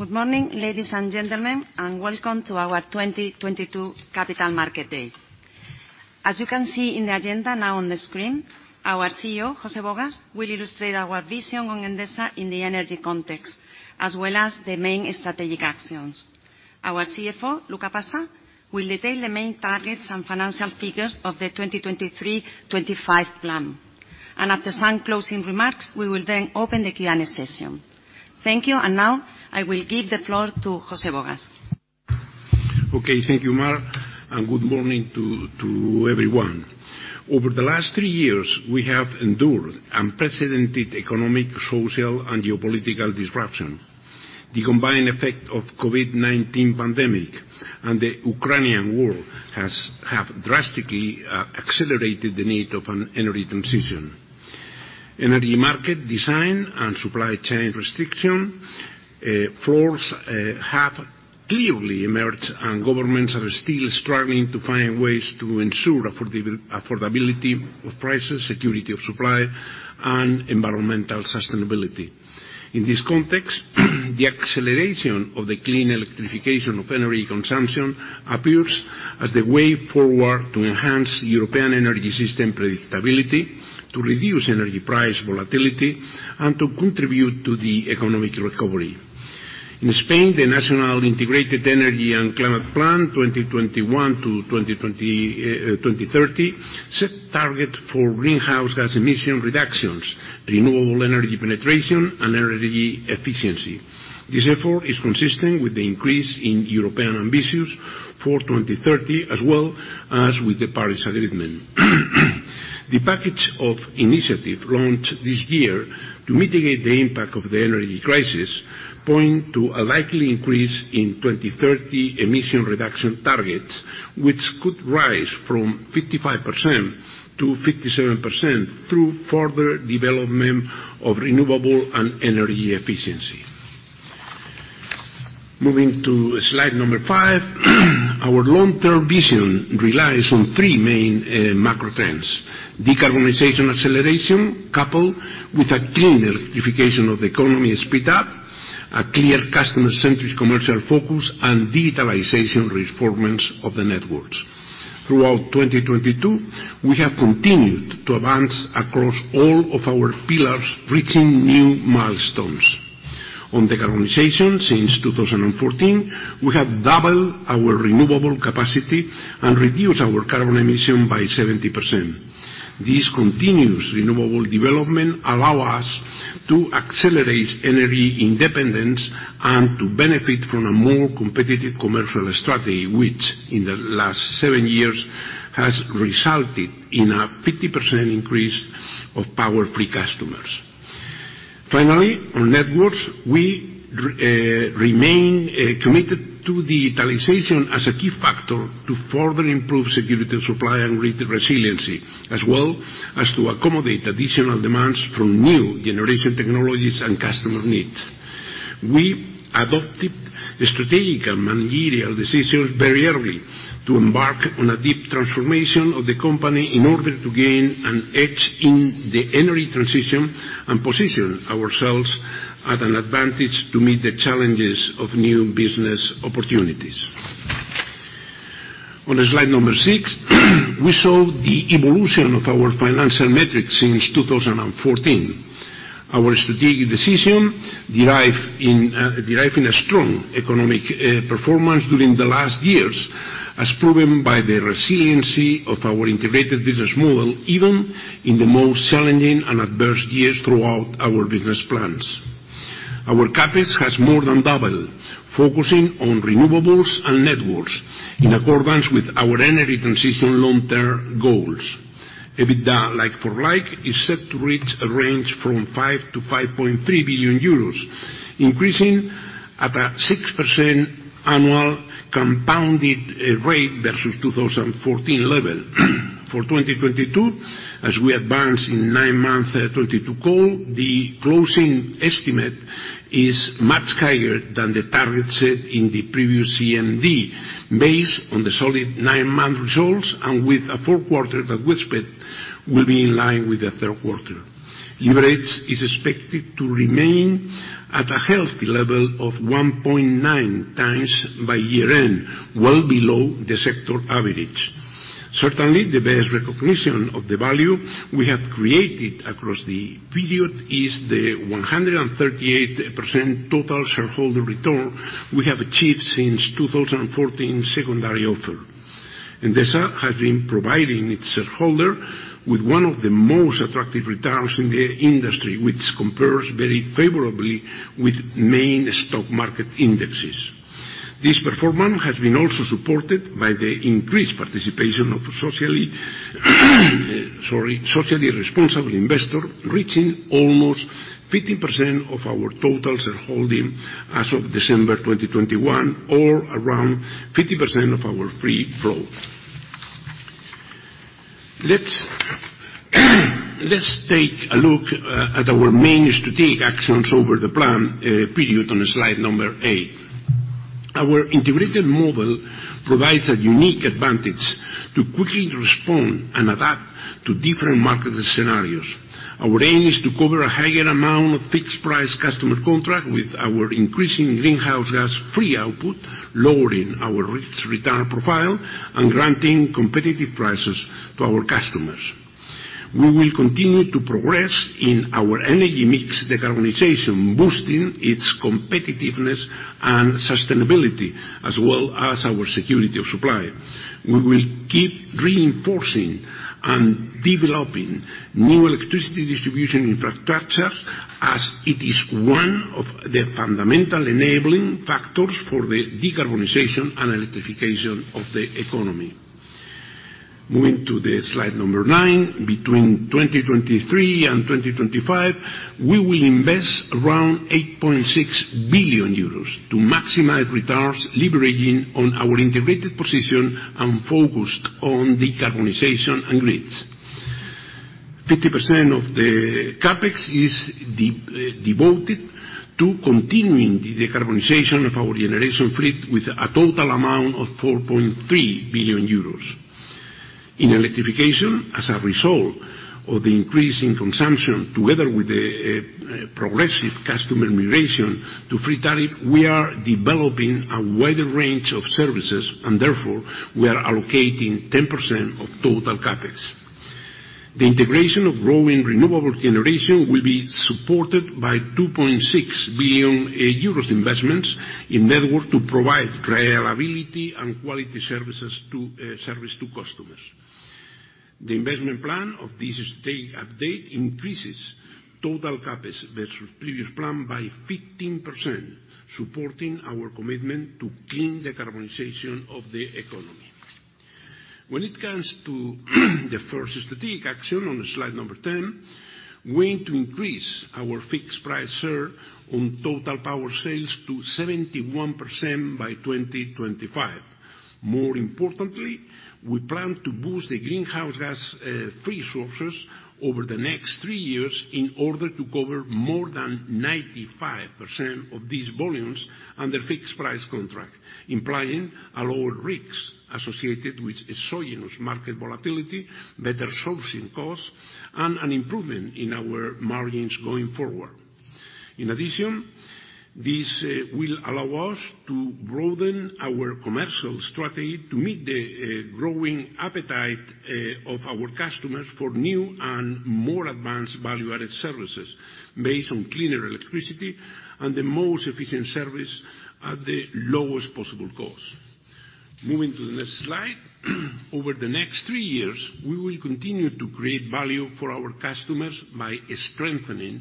Good morning, ladies and gentlemen, and welcome to our 2022 capital market day. As you can see in the agenda now on the screen, our CEO, José Bogas, will illustrate our vision on Endesa in the energy context, as well as the main strategic actions. Our CFO, Luca Passa, will detail the main targets and financial figures of the 2023-25 plan. After some closing remarks, we will then open the Q&A session. Thank you. Now, I will give the floor to José Bogas. Okay, thank you, Mar, and good morning to everyone. Over the last three years, we have endured unprecedented economic, social, and geopolitical disruption. The combined effect of COVID-19 pandemic and the Russo-Ukrainian War have drastically accelerated the need of an energy transition. Energy market design and supply chain restriction floors have clearly emerged, and governments are still struggling to find ways to ensure affordability of prices, security of supply, and environmental sustainability. In this context, the acceleration of the clean electrification of energy consumption appears as the way forward to enhance European energy system predictability, to reduce energy price volatility, and to contribute to the economic recovery. In Spain, the National Integrated Energy and Climate Plan 2021-2030 set target for greenhouse gas emission reductions, renewable energy penetration, and energy efficiency. This effort is consistent with the increase in European ambitions for 2030, as well as with the Paris Agreement. The package of initiative launched this year to mitigate the impact of the energy crisis point to a likely increase in 2030 emission reduction targets, which could rise from 55%-57% through further development of renewable and energy efficiency. Moving to slide number five, our long-term vision relies on three main macro trends: decarbonization acceleration coupled with a clean electrification of the economy sped up, a clear customer-centric commercial focus, and digitalization reformance of the networks. Throughout 2022, we have continued to advance across all of our pillars, reaching new milestones. On decarbonization, since 2014, we have doubled our renewable capacity and reduced our carbon emission by 70%. This continuous renewable development allow us to accelerate energy independence and to benefit from a more competitive commercial strategy, which in the last seven years has resulted in a 50% increase of power free customers. Finally, on networks, we remain committed to digitalization as a key factor to further improve security of supply and resiliency, as well as to accommodate additional demands from new generation technologies and customer needs. We adopted the strategic and managerial decisions very early to embark on a deep transformation of the company in order to gain an edge in the energy transition and position ourselves at an advantage to meet the challenges of new business opportunities. On slide number six, we show the evolution of our financial metrics since 2014. Our strategic decision derive in a strong economic performance during the last years, as proven by the resiliency of our integrated business model, even in the most challenging and adverse years throughout our business plans. Our CapEx has more than doubled, focusing on renewables and networks in accordance with our energy transition long-term goals. EBITDA like for like is set to reach a range from 5 billion-5.3 billion euros, increasing at a 6% annual compounded rate versus 2014 level. For 2022, as we advanced in 9-month 2022 call, the closing estimate is much higher than the target set in the previous CMD based on the solid 9-month results and with a fourth quarter that we expect will be in line with the third quarter. Leveraged is expected to remain at a healthy level of 1.9x by year-end, well below the sector average. The best recognition of the value we have created across the period is the 138% total shareholder return we have achieved since 2014 secondary offer. Endesa has been providing its shareholder with one of the most attractive returns in the industry, which compares very favorably with main stock market indexes. This performance has been also supported by the increased participation of Socially responsible investor, reaching almost 50% of our total shareholding as of December 2021, or around 50% of our free float. Let's take a look at our main strategic actions over the plan period on slide number 8. Our integrated model provides a unique advantage to quickly respond and adapt to different market scenarios. Our aim is to cover a higher amount of fixed price customer contract with our increasing greenhouse gas free output, lowering our risk return profile and granting competitive prices to our customers. We will continue to progress in our energy mix decarbonization, boosting its competitiveness and sustainability, as well as our security of supply. We will keep reinforcing and developing new electricity distribution infrastructures as it is one of the fundamental enabling factors for the decarbonization and electrification of the economy. Moving to the slide number nine, between 2023 and 2025, we will invest around 8.6 billion euros to maximize returns, leveraging on our integrated position and focused on decarbonization and grids. 50% of the CapEx is devoted to continuing the decarbonization of our generation fleet with a total amount of 4.3 billion euros. In electrification, as a result of the increase in consumption together with a progressive customer migration to free tariff, we are developing a wider range of services and therefore we are allocating 10% of total CapEx. The integration of growing renewable generation will be supported by 2.6 billion euros investments in network to provide reliability and quality services to service to customers. The investment plan of this state update increases total CapEx versus previous plan by 15%, supporting our commitment to clean decarbonization of the economy. When it comes to the first strategic action on slide number 10, we aim to increase our fixed price share on total power sales to 71% by 2025. More importantly, we plan to boost the greenhouse gas free sources over the next three years in order to cover more than 95% of these volumes under fixed price contract, implying a lower risk associated with exogenous market volatility, better sourcing costs, and an improvement in our margins going forward. In addition, this will allow us to broaden our commercial strategy to meet the growing appetite of our customers for new and more advanced value-added services based on cleaner electricity and the most efficient service at the lowest possible cost. Moving to the next slide. Over the next three years, we will continue to create value for our customers by strengthening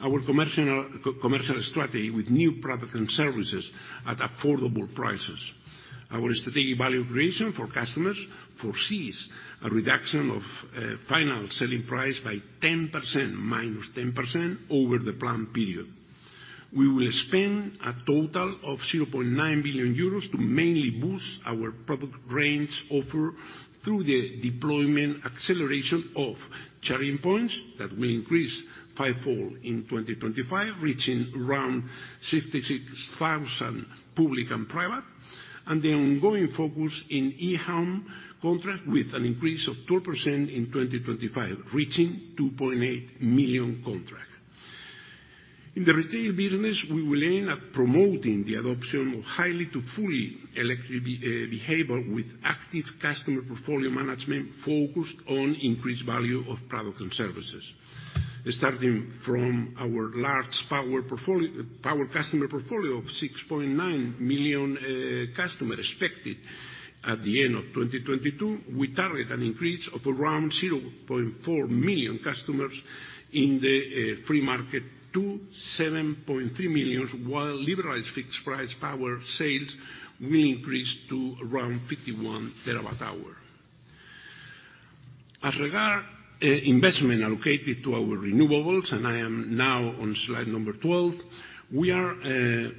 our commercial strategy with new products and services at affordable prices. Our strategic value creation for customers foresees a reduction of final selling price by 10%, -10% over the planned period. We will spend a total of 0.9 billion euros to mainly boost our product range offer through the deployment acceleration of charging points that will increase five-fold in 2025, reaching around 66,000 public and private, and the ongoing focus in eHome contract with an increase of 2% in 2025, reaching 2.8 million contract. In the retail business, we will aim at promoting the adoption of highly to fully electric behavior with active customer portfolio management focused on increased value of products and services. Starting from our large power customer portfolio of 6.9 million customers expected at the end of 2022, we target an increase of around 0.4 million customers in the free market to 7.3 million, while liberalized fixed price power sales will increase to around 51 terawatt-hour. As regards investment allocated to our renewables, and I am now on slide number 12, we are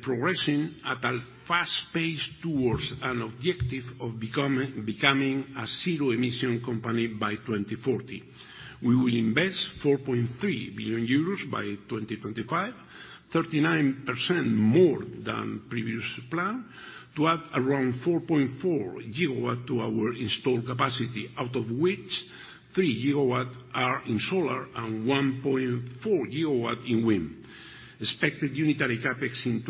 progressing at a fast pace towards an objective of becoming a zero emission company by 2040. We will invest 4.3 billion euros by 2025, 39% more than previous plan, to add around 4.4 gigawatt to our installed capacity, out of which 3 gigawatt are in solar and 1.4 gigawatt in wind. Expected unitary CapEx in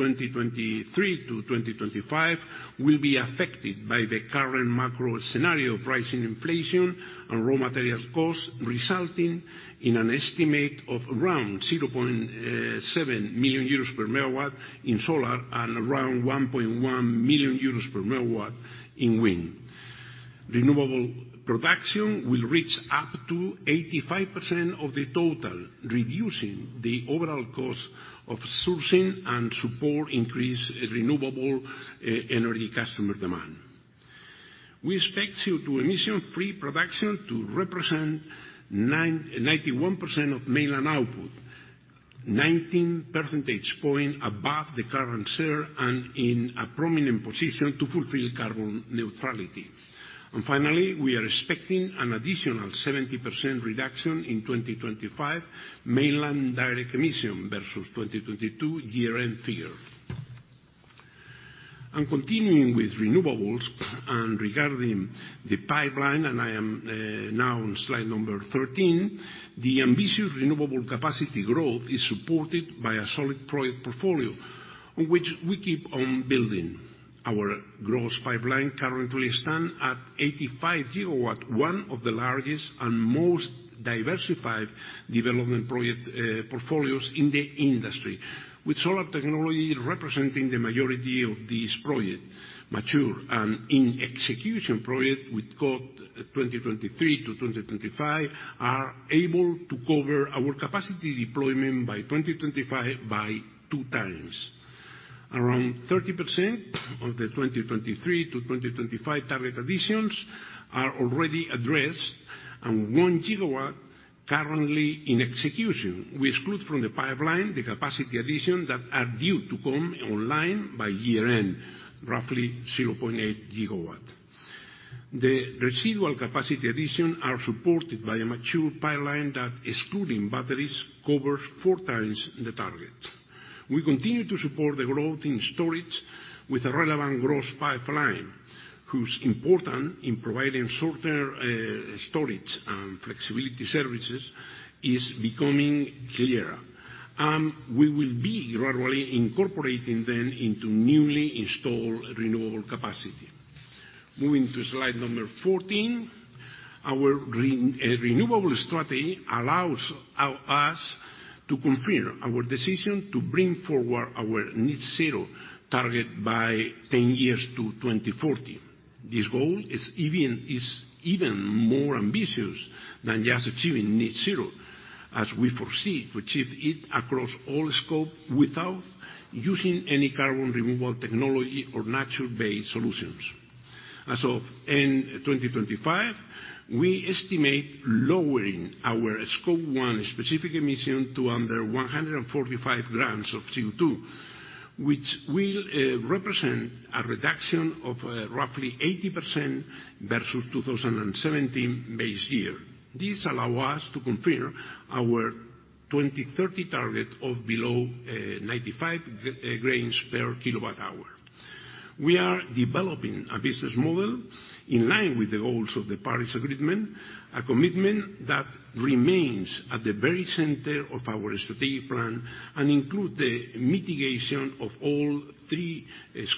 2023-2025 will be affected by the current macro scenario of rising inflation and raw materials costs, resulting in an estimate of around 0.7 million euros per megawatt in solar and around 1.1 million euros per megawatt in wind. Renewable production will reach up to 85% of the total, reducing the overall cost of sourcing and support increased renewable e-energy customer demand. We expect CO2 emission-free production to represent 91% of mainland output, 19 percentage point above the current share and in a prominent position to fulfill carbon neutrality. Finally, we are expecting an additional 70% reduction in 2025 mainland direct emission versus 2022 year-end figure. Continuing with renewables and regarding the pipeline, I am now on slide number 13. The ambitious renewable capacity growth is supported by a solid project portfolio, which we keep on building. Our gross pipeline currently stand at 85 gigawatt, one of the largest and most diversified development project portfolios in the industry. With solar technology representing the majority of these projects, mature and in execution project with code 2023-2025 are able to cover our capacity deployment by 2025 by 2x. Around 30% of the 2023-2025 target additions are already addressed and 1 gigawatt currently in execution. We exclude from the pipeline the capacity addition that are due to come online by year-end, roughly 0.8 gigawatt. The residual capacity addition are supported by a mature pipeline that, excluding batteries, covers 4x the target. We continue to support the growth in storage with a relevant gross pipeline whose important in providing shorter, storage and flexibility services is becoming clearer. We will be gradually incorporating them into newly installed renewable capacity. Moving to slide number 14. Our renewable strategy allows us to confirm our decision to bring forward our net zero target by 10 years to 2040. This goal is even more ambitious than just achieving net zero, as we foresee to achieve it across all Scope without using any carbon removal technology or natural-based solutions. As of end 2025, we estimate lowering our Scope one specific emission to under 145 grams of CO2, which will represent a reduction of roughly 80% versus 2017 base year. This allow us to confirm our 2030 target of below 95 grams per kWh. We are developing a business model in line with the goals of the Paris Agreement, a commitment that remains at the very center of our strategic plan and include the mitigation of all three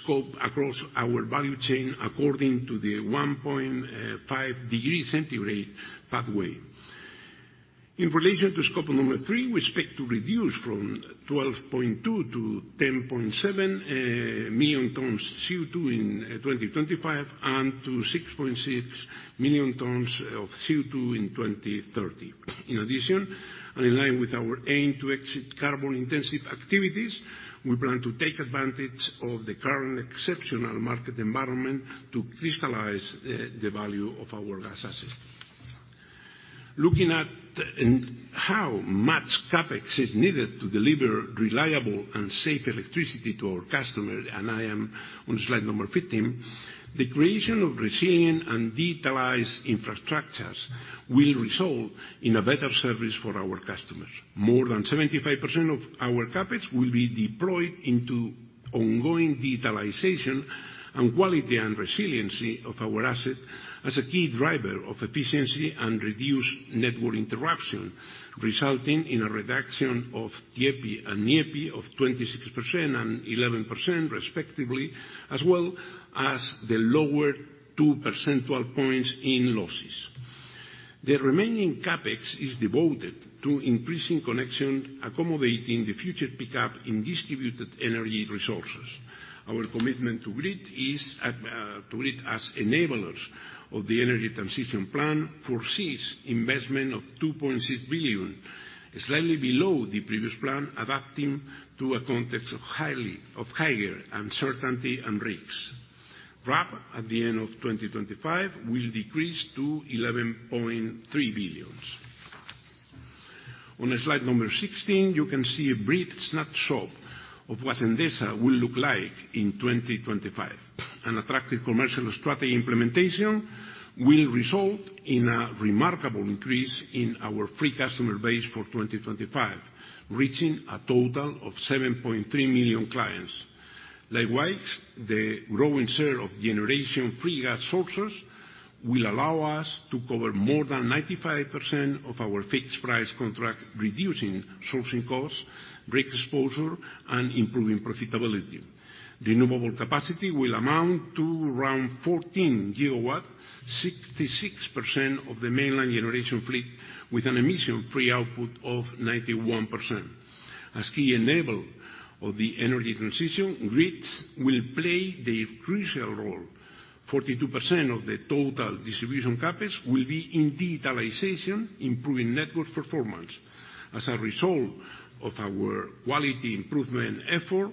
Scopes across our value chain according to the 1.5 degree centigrade pathway. In relation to Scope three, we expect to reduce from 12.2-10.7 million tons CO2 in 2025 and to 6.6 million tons of CO2 in 2030. In addition, and in line with our aim to exit carbon-intensive activities, we plan to take advantage of the current exceptional market environment to crystallize the value of our gas assets. Looking at how much CapEx is needed to deliver reliable and safe electricity to our customers. I am on slide number 15. The creation of resilient and digitalized infrastructures will result in a better service for our customers. More than 75% of our CapEx will be deployed into ongoing digitalization and quality and resiliency of our asset as a key driver of efficiency and reduced network interruption, resulting in a reduction of TIEPI and NIEPI of 26% and 11% respectively, as well as the lower two percentile points in losses. The remaining CapEx is devoted to increasing connection, accommodating the future pickup in distributed energy resources. Our commitment to grid is to grid as enablers of the energy transition plan foresees investment of 2.6 billion, slightly below the previous plan, adapting to a context of higher uncertainty and risks. RAP at the end of 2025 will decrease to 11.3 billion. On slide number 16, you can see a brief snapshot of what Endesa will look like in 2025. An attractive commercial strategy implementation will result in a remarkable increase in our free customer base for 2025, reaching a total of 7.3 million clients. Likewise, the growing share of generation free gas sources will allow us to cover more than 95% of our fixed price contract, reducing sourcing costs, risk exposure, and improving profitability. Renewable capacity will amount to around 14 GW, 66% of the mainland generation fleet, with an emission-free output of 91%. As key enabler of the energy transition, grids will play the crucial role. 42% of the total distribution CapEx will be in digitalization, improving network performance. As a result of our quality improvement effort,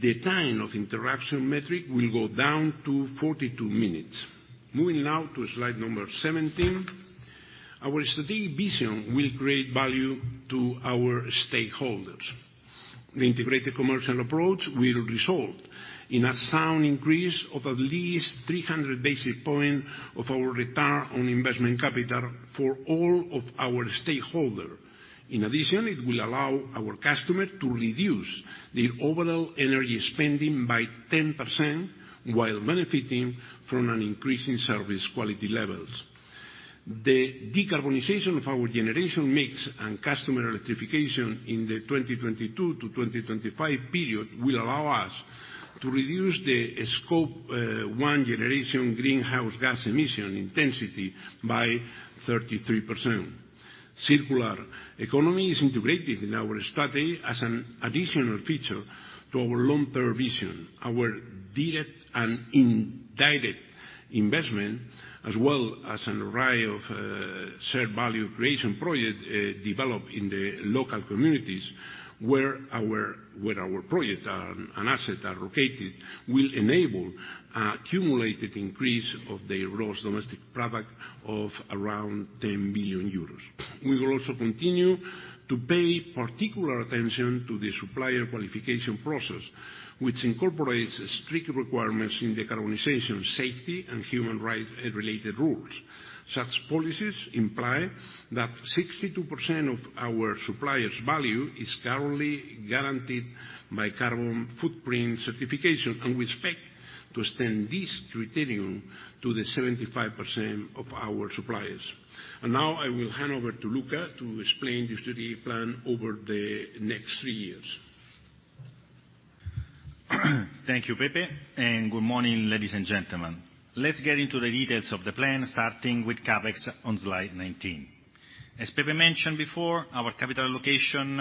the time of interaction metric will go down to 42 minutes. Moving now to slide number 17. Our strategic vision will create value to our stakeholders. The integrated commercial approach will result in a sound increase of at least 300 basis points of our return on investment capital for all of our stakeholder. In addition, it will allow our customer to reduce the overall energy spending by 10% while benefiting from an increase in service quality levels. The decarbonization of our generation mix and customer electrification in the 2022 to 2025 period will allow us to reduce the Scope one generation greenhouse gas emission intensity by 33%. Circular economy is integrated in our strategy as an additional feature to our long-term vision. Our direct and indirect investment, as well as an array of shared value creation project developed in the local communities where our, where our projects are and assets are located, will enable a accumulated increase of the gross domestic product of around 10 billion euros. We will also continue to pay particular attention to the supplier qualification process, which incorporates strict requirements in decarbonization, safety, and human right related rules. Such policies imply that 62% of our suppliers' value is currently guaranteed by carbon footprint certification, and we expect to extend this criterion to the 75% of our suppliers. Now I will hand over to Luca to explain the strategic plan over the next three years. Thank you, Pepe. Good morning, ladies and gentlemen. Let's get into the details of the plan, starting with CapEx on slide 19. As Pepe mentioned before, our capital allocation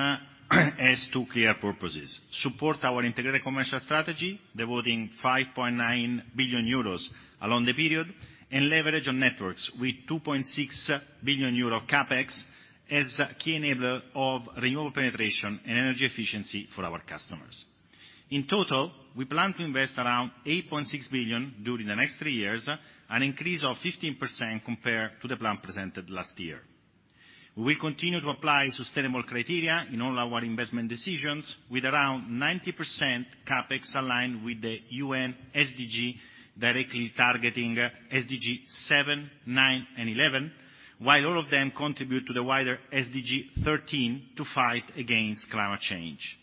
has two clear purposes: support our integrated commercial strategy, devoting 5.9 billion euros along the period, and leverage on networks with 2.6 billion euro CapEx as a key enabler of renewable penetration and energy efficiency for our customers. In total, we plan to invest around 8.6 billion during the next three years, an increase of 15% compared to the plan presented last year. We will continue to apply sustainable criteria in all our investment decisions with around 90% CapEx aligned with the UN SDG, directly targeting SDG 7, 9, and 11, while all of them contribute to the wider SDG 13 to fight agai nst climate change.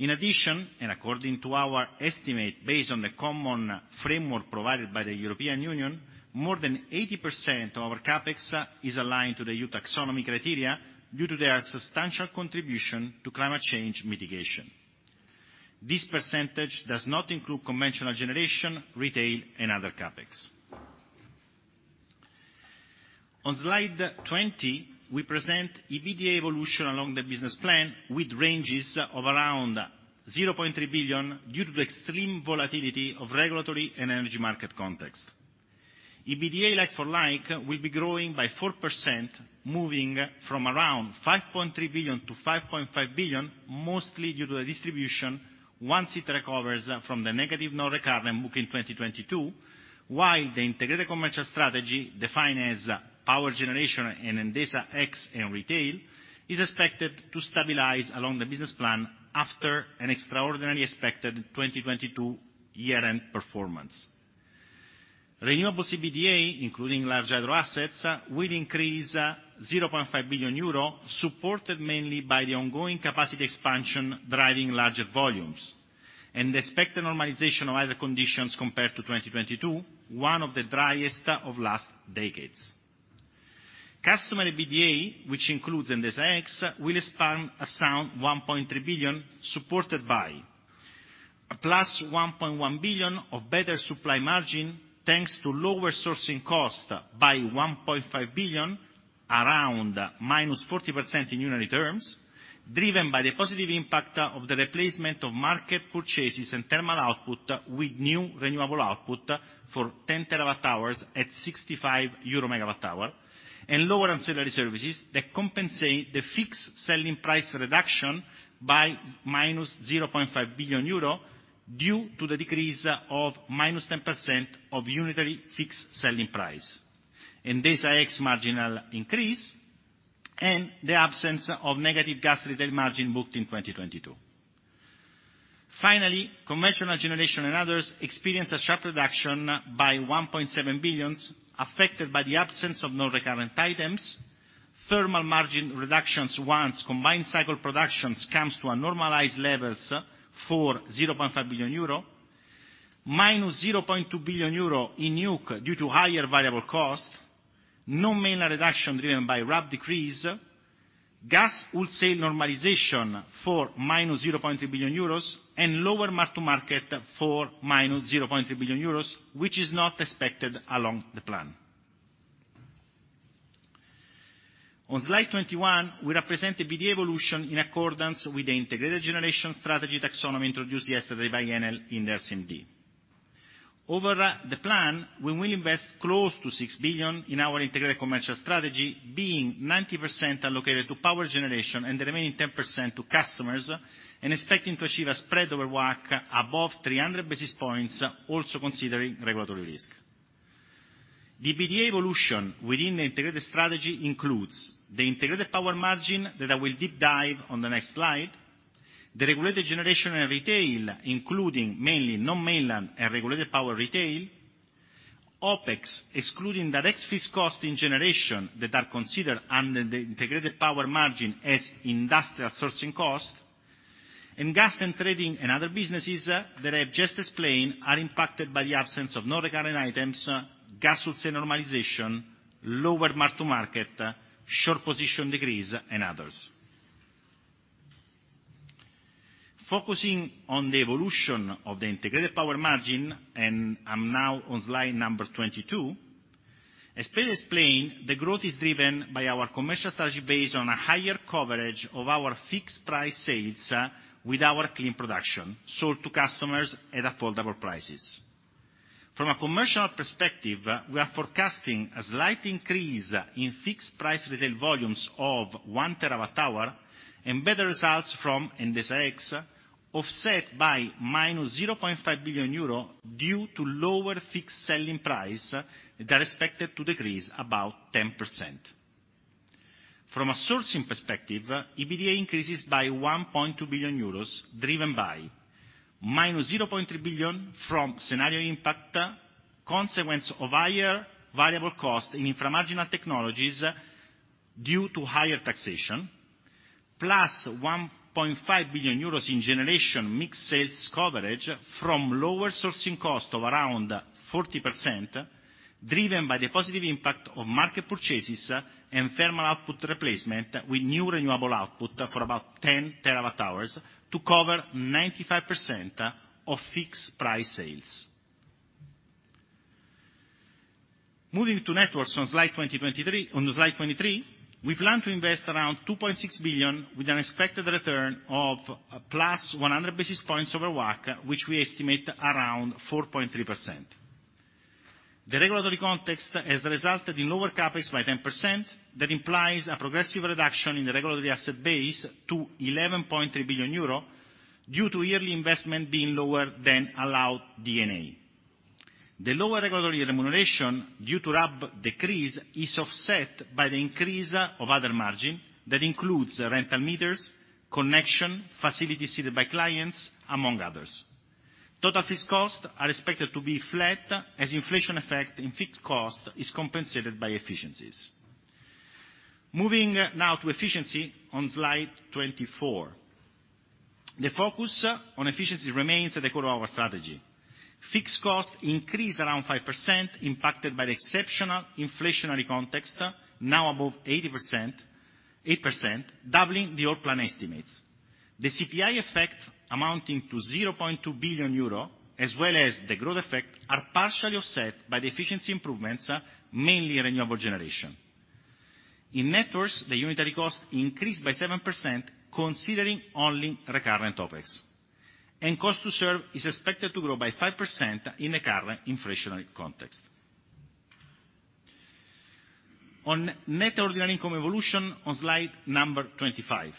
In addition, and according to our estimate, based on the common framework provided by the European Union, more than 80% of our CapEx is aligned to the EU Taxonomy criteria due to their substantial contribution to climate change mitigation. This percentage does not include conventional generation, retail, and other CapEx. On slide 20, we present EBITDA evolution along the business plan with ranges of around 0.3 billion due to the extreme volatility of regulatory and energy market context. EBITDA like-for-like will be growing by 4%, moving from around 5.3 billion-5.5 billion, mostly due to the distribution once it recovers from the negative non-recurrent book in 2022, while the integrated commercial strategy, defined as power generation and Endesa X and retail, is expected to stabilize along the business plan after an extraordinary expected 2022 year-end performance. Renewable EBITDA, including large hydro assets, will increase 0.5 billion euro, supported mainly by the ongoing capacity expansion driving larger volumes, and the expected normalization of weather conditions compared to 2022, one of the driest of last decades. Customer EBITDA, which includes Endesa X, will expand a sound 1.3 billion, supported by a +1.1 billion of better supply margin, thanks to lower sourcing cost by 1.5 billion, around -40% in unitary terms, driven by the positive impact of the replacement of market purchases and thermal output with new renewable output for 10 terawatt-hours at 65 euro megawatt-hour and lower ancillary services that compensate the fixed selling price reduction by -0.5 billion euro, due to the decrease of -10% of unitary fixed selling price. Endesa X marginal increase and the absence of negative gas retail margin booked in 2022. Finally, conventional generation and others experience a sharp reduction by 1.7 billion, affected by the absence of non-recurrent items, thermal margin reductions once combined cycle productions comes to a normalized levels for 0.5 billion euro, -0.2 billion euro in nuke due to higher variable cost, no mainland reduction driven by RAB decrease, gas wholesale normalization for -0.3 billion euros, and lower mark-to-market for -0.3 billion euros, which is not expected along the plan. On slide 21, we represent EBITDA evolution in accordance with the integrated generation strategy taxonomy introduced yesterday by Enel in their CMD. Over the plan, we will invest close to 6 billion in our integrated commercial strategy, being 90% allocated to power generation and the remaining 10% to customers, and expecting to achieve a spread over WACC above 300 basis points, also considering regulatory risk. The EBITDA evolution within the integrated strategy includes the integrated power margin that I will deep dive on the next slide. The regulated generation and retail, including mainly non-mainland and regulated power retail. OpEx, excluding direct fixed cost in generation that are considered under the integrated power margin as industrial sourcing cost. Gas and trading and other businesses that I have just explained are impacted by the absence of non-recurrent items, gas wholesale normalization, lower mark-to-market, short position decrease, and others. Focusing on the evolution of the integrated power margin, and I'm now on slide number 22. As Peter explained, the growth is driven by our commercial strategy based on a higher coverage of our fixed price sales, with our clean production, sold to customers at affordable prices. From a commercial perspective, we are forecasting a slight increase in fixed price retail volumes of 1 terawatt hour, and better results from Endesa X, offset by -0.5 billion euro, due to lower fixed selling price that are expected to decrease about 10%. From a sourcing perspective, EBITDA increases by 1.2 billion euros, driven by -0.3 billion from scenario impact, consequence of higher variable cost in infra-marginal technologies due to higher taxation, plus 1.5 billion euros in generation mixed sales coverage from lower sourcing cost of around 40%, driven by the positive impact of market purchases and thermal output replacement with new renewable output for about 10 terawatt hours to cover 95% of fixed price sales. Moving to networks on slide 23. We plan to invest around 2.6 billion, with an expected return of plus 100 basis points over WACC, which we estimate around 4.3%. The regulatory context has resulted in lower CapEx by 10%. That implies a progressive reduction in the Regulated Asset Base to 11.3 billion euro, due to yearly investment being lower than allowed D&A. The lower regulatory remuneration, due to RAB decrease, is offset by the increase of other margin, that includes rental meters, connection, facilities seeded by clients, among others. Total fixed costs are expected to be flat, as inflation effect in fixed cost is compensated by efficiencies. Moving now to efficiency on slide 24. The focus on efficiency remains at the core of our strategy. Fixed costs increase around 5%, impacted by the exceptional inflationary context, now above 8%, doubling the old plan estimates. The CPI effect amounting to 0.2 billion euro, as well as the growth effect, are partially offset by the efficiency improvements, mainly renewable generation. In networks, the unitary cost increased by 7%, considering only recurrent OpEx. Cost to serve is expected to grow by 5% in the current inflationary context. On net ordinary income evolution on slide number 25.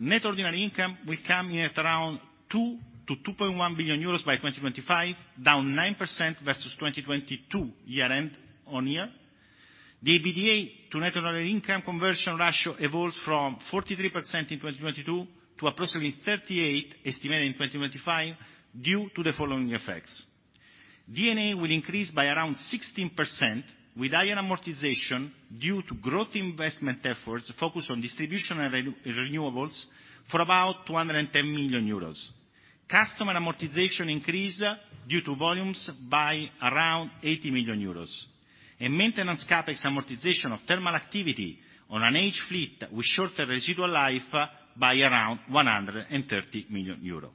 Net ordinary income will come in at around 2 billion-2.1 billion euros by 2025, down 9% versus 2022 year end on year. The EBITDA to net ordinary income conversion ratio evolves from 43% in 2022 to approximately 38%, estimated in 2025, due to the following effects. D&A will increase by around 16%, with higher amortization due to growth investment efforts focused on distribution and renewables for about 210 million euros. Customer amortization increase due to volumes by around 80 million euros. Maintenance CapEx amortization of thermal activity on an aged fleet with shorter residual life by around 130 million euro.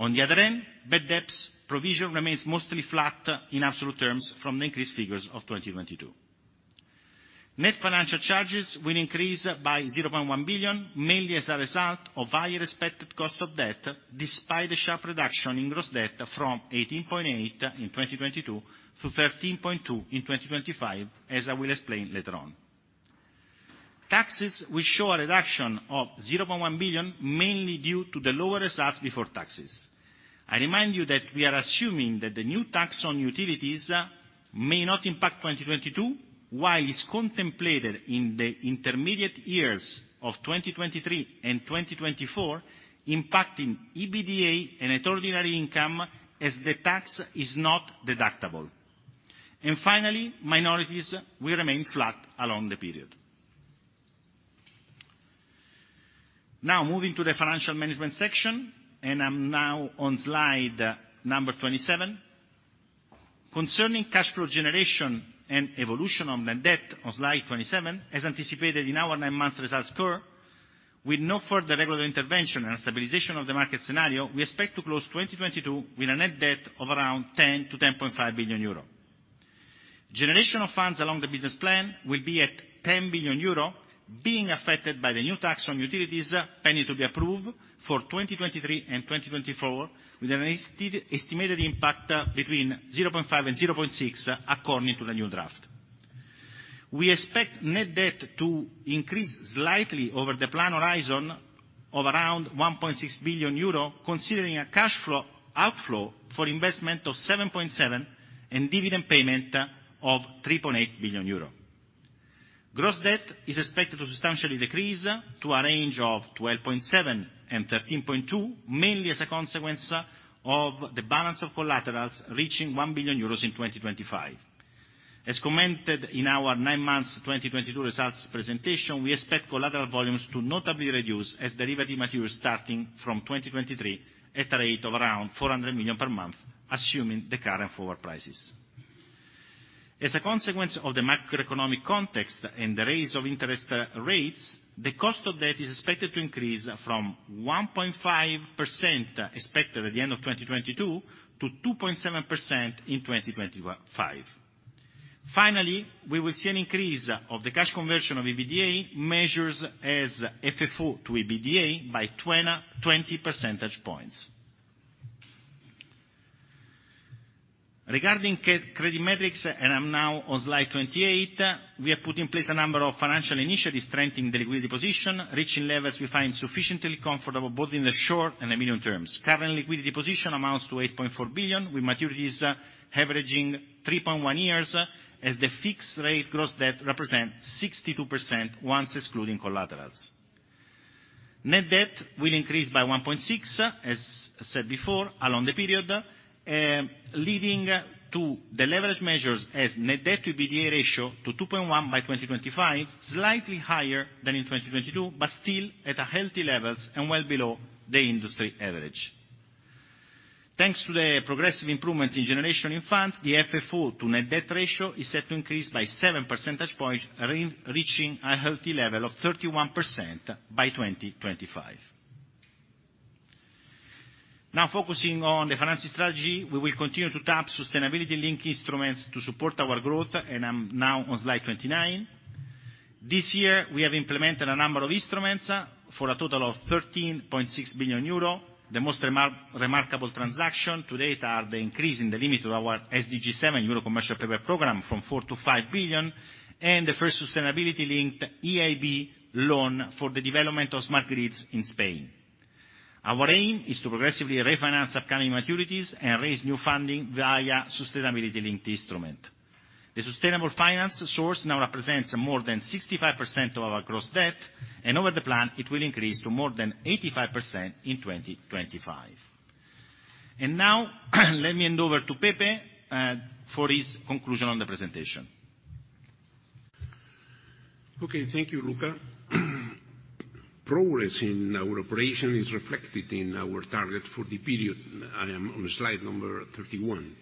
On the other end, bad debts provision remains mostly flat in absolute terms from the increased figures of 2022. Net financial charges will increase by 0.1 billion, mainly as a result of higher expected cost of debt, despite the sharp reduction in gross debt from 18.8 in 2022 to 13.2 in 2025, as I will explain later on. Taxes will show a reduction of 0.1 billion, mainly due to the lower results before taxes. I remind you that we are assuming that the new tax on utilities may not impact 2022, while it's contemplated in the intermediate years of 2023 and 2024, impacting EBITDA and net ordinary income as the tax is not deductible. Finally, minorities will remain flat along the period. Now, moving to the financial management section, I'm now on slide number 27. Concerning cash flow generation and evolution of net debt on slide 27, as anticipated in our 9-month results call, with no further regulatory intervention and a stabilization of the market scenario, we expect to close 2022 with a net debt of around 10 billion-10.5 billion euro. Generation of funds along the business plan will be at 10 billion euro, being affected by the new tax on utilities pending to be approved for 2023 and 2024, with an estimated impact between 0.5 billion and 0.6 billion according to the new draft. We expect net debt to increase slightly over the plan horizon of around 1.6 billion euro, considering a cash flow outflow for investment of 7.7 billion and dividend payment of 3.8 billion euro. Gross debt is expected to substantially decrease to a range of 12.7 billion and 13.2 billion, mainly as a consequence of the balance of collaterals reaching 1 billion euros in 2025. As commented in our nine months 2022 results presentation, we expect collateral volumes to notably reduce as derivative materials starting from 2023, at a rate of around 400 million per month, assuming the current forward prices. As a consequence of the macroeconomic context and the raise of interest rates, the cost of debt is expected to increase from 1.5% expected at the end of 2022 to 2.7% in 2025. Finally, we will see an increase of the cash conversion of EBITDA measures as FFO to EBITDA by 20 percentage points. Regarding credit metrics, I'm now on slide 28, we have put in place a number of financial initiatives strengthening the liquidity position, reaching levels we find sufficiently comfortable, both in the short and the medium terms. Current liquidity position amounts to 8.4 billion, with maturities averaging 3.1 years as the fixed rate gross debt represent 62% once excluding collaterals. Net debt will increase by 1.6, as said before, along the period, leading to the leverage measures as net debt to EBITDA ratio to 2.1 by 2025, slightly higher than in 2022, but still at a healthy levels and well below the industry average. Thanks to the progressive improvements in generation fleet, the FFO to net debt ratio is set to increase by seven percentage points re-reaching a healthy level of 31% by 2025. Now focusing on the financing strategy, we will continue to tap sustainability-linked instruments to support our growth, and I'm now on slide 29. This year, we have implemented a number of instruments for a total of 13.6 billion euro. The most remarkable transaction to date are the increase in the limit of our SDG 7 Euro Commercial Paper program from 4 billion to 5 billion, and the first sustainability-linked EIB loan for the development of smart grids in Spain. Our aim is to progressively refinance upcoming maturities and raise new funding via sustainability-linked instrument. The sustainable finance source now represents more than 65% of our gross debt, and over the plan, it will increase to more than 85% in 2025. Now, let me hand over to Pepe for his conclusion on the presentation. Okay, thank you, Luca. Progress in our operation is reflected in our target for the period. I am on slide number 31.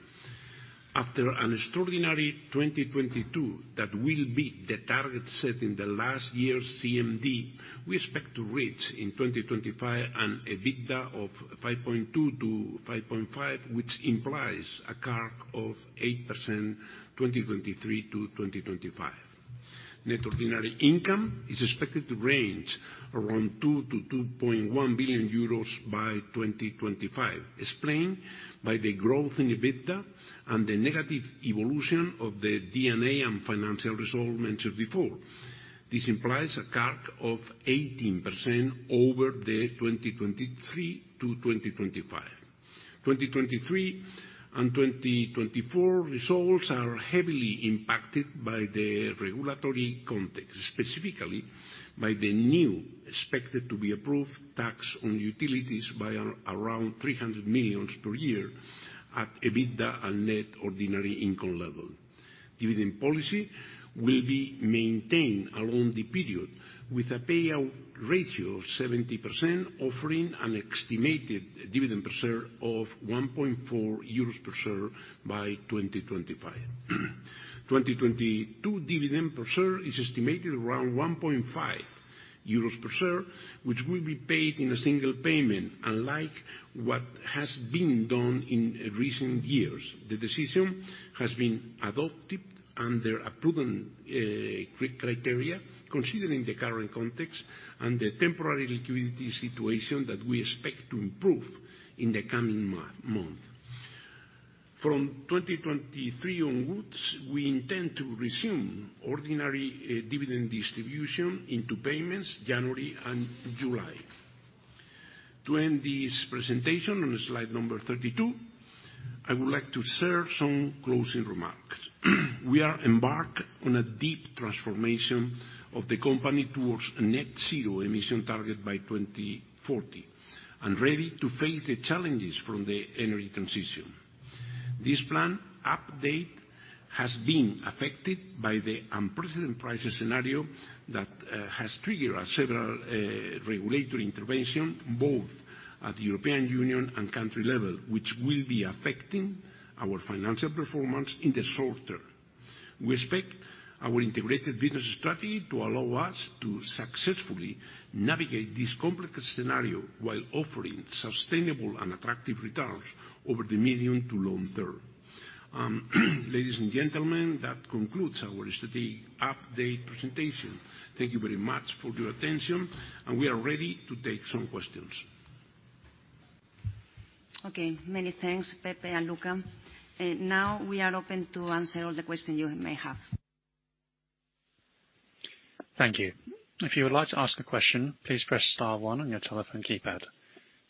After an extraordinary 2022 that will beat the target set in the last year's CMD, we expect to reach in 2025 an EBITDA of 5.2 billion-5.5 billion, which implies a CAGR of 8% 2023-2025. Net ordinary income is expected to range around 2 billion-2.1 billion euros by 2025, explained by the growth in EBITDA and the negative evolution of the D&A and financial resolve mentioned before. This implies a CAGR of 18% over the 2023-2025. 2023 and 2024 results are heavily impacted by the regulatory context, specifically by the new expected to be approved tax on utilities around 300 million per year at EBITDA and net ordinary income level. Dividend policy will be maintained along the period, with a payout ratio of 70% offering an estimated dividend per share of 1.4 euros per share by 2025. 2022 dividend per share is estimated around 1.5 euros per share, which will be paid in a single payment unlike what has been done in recent years. The decision has been adopted under a prudent criteria, considering the current context and the temporary liquidity situation that we expect to improve in the coming month. 2023 onwards, we intend to resume ordinary dividend distribution into payments January and July. To end this presentation on slide number 32, I would like to share some closing remarks. We are embarked on a deep transformation of the company towards a net zero emission target by 2040, and ready to face the challenges from the energy transition. This plan update has been affected by the unprecedented price scenario that has triggered several regulatory intervention, both at the European Union and country level, which will be affecting our financial performance in the short term. We expect our integrated business strategy to allow us to successfully navigate this complex scenario while offering sustainable and attractive returns over the medium to long term. Ladies and gentlemen, that concludes our strategy update presentation. Thank you very much for your attention, and we are ready to take some questions. Okay, many things, Pepe and Luca. Now we are open to answer all the questions you may have. Thank you. If you would like to ask a question, please press star one on your telephone keypad.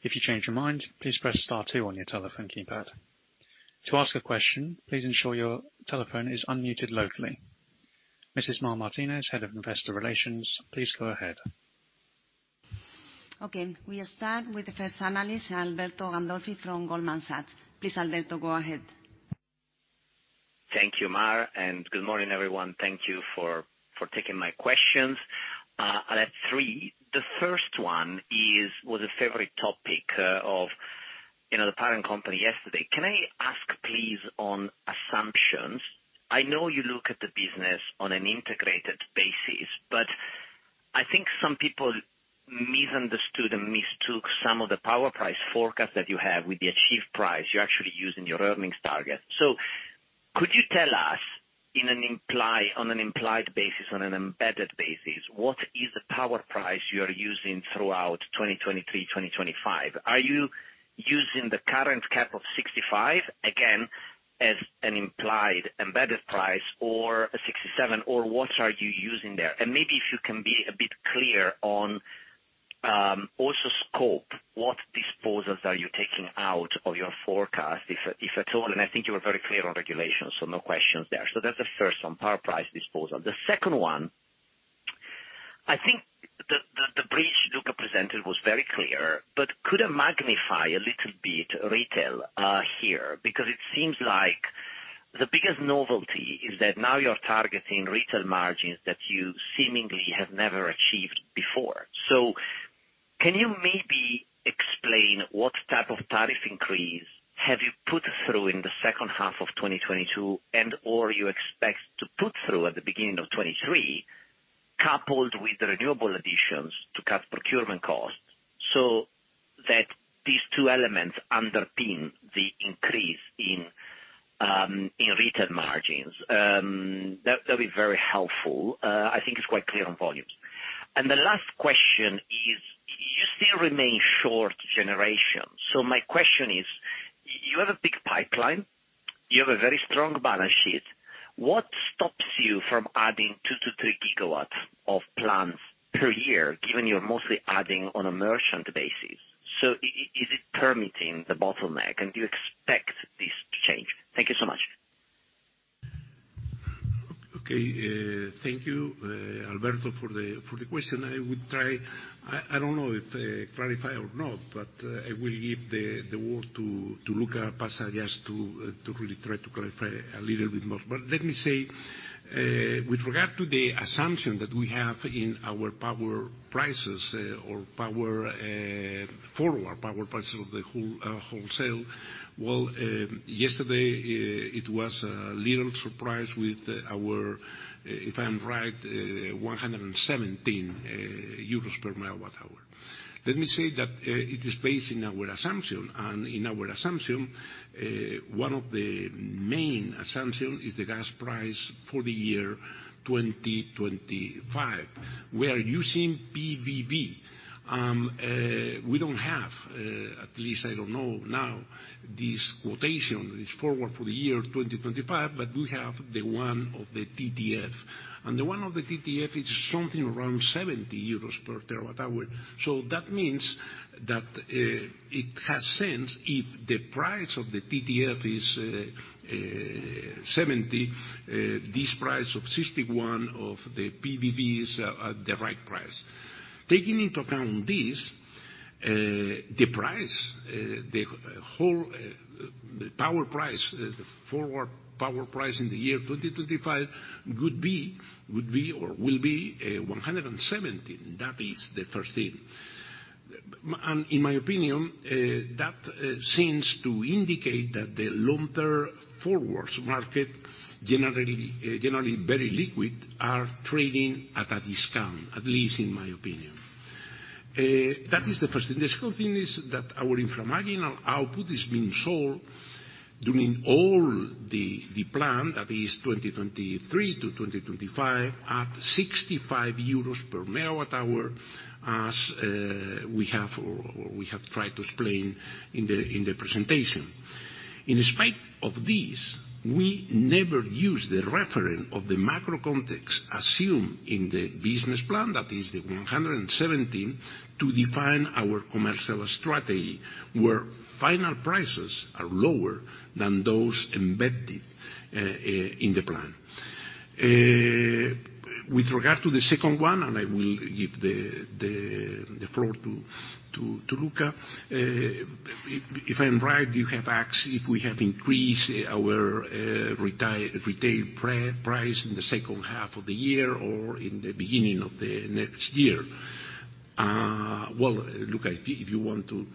If you change your mind, please press star two on your telephone keypad. To ask a question, please ensure your telephone is unmuted locally. Mrs. Mar Martínez, Head of Investor Relations, please go ahead. Okay, we'll start with the first analyst, Alberto Gandolfi from Goldman Sachs. Please, Alberto, go ahead. Thank you, Mar, good morning, everyone. Thank you for taking my questions. I have three. The first one was a favorite topic, of, you know, the parent company yesterday. Can I ask, please, on assumptions? I know you look at the business on an integrated basis, but I think some people misunderstood and mistook some of the power price forecast that you have with the achieved price you're actually using your earnings target. Could you tell us in an imply, on an implied basis, on an embedded basis, what is the power price you are using throughout 2023, 2025? Are you using the current cap of 65, again, as an implied embedded price or 67, or what are you using there? Maybe if you can be a bit clear on, also scope, what disposals are you taking out of your forecast, if at all? I think you were very clear on regulations, no questions there. That's the first one, power price disposal. The second one, I think the breach Luca presented was very clear, could it magnify a little bit retail here? It seems like the biggest novelty is that now you're targeting retail margins that you seemingly have never achieved before. Can you maybe explain what type of tariff increase have you put through in the second half of 2022 and/or you expect to put through at the beginning of 2023, coupled with the renewable additions to cut procurement costs, that these two elements underpin the increase in retail margins? That'd be very helpful. I think it's quite clear on volumes. The last question is you still remain short generation. My question is, you have a big pipeline, you have a very strong balance sheet. What stops you from adding 2-3 gigawatts of plants per year, given you're mostly adding on a merchant basis? Is it permitting the bottleneck? Do you expect this to change? Thank you so much. Okay. Thank you, Alberto, for the question. I don't know if clarify or not, but I will give the word to Luca Passa to really try to clarify a little bit more. Let me say, with regard to the assumption that we have in our power prices, or power, forward power prices of the whole wholesale. Well, yesterday, it was a little surprise with our, if I'm right, 117 euros per megawatt hour. Let me say that it is based in our assumption. In our assumption, one of the main assumption is the gas price for the year 2025. We are using PVB. We don't have, at least I don't know now, this quotation, this forward for the year 2025, but we have the one of the TTF. The one of the TTF is something around 70 euros per terawatt hour. That means that it has sense if the price of the TTF is 70, this price of 61 of the PBVs are the right price. Taking into account this, the price, the whole, the power price, the forward power price in the year 2025 could be or will be 117 EUR. That is the first thing. In my opinion, that seems to indicate that the longer forwards market, generally very liquid, are trading at a discount, at least in my opinion. That is the first thing. The second thing is that our infra marginal output is being sold during all the plan, that is 2023-2025, at 65 euros per megawatt hour, as we have or we have tried to explain in the presentation. In spite of this, we never use the reference of the macro context assumed in the business plan, that is the 117, to define our commercial strategy, where final prices are lower than those embedded in the plan. With regard to the second one, I will give the floor to Luca. If I'm right, you have asked if we have increased our retail price in the second half of the year or in the beginning of the next year. Well, Luca, if you want to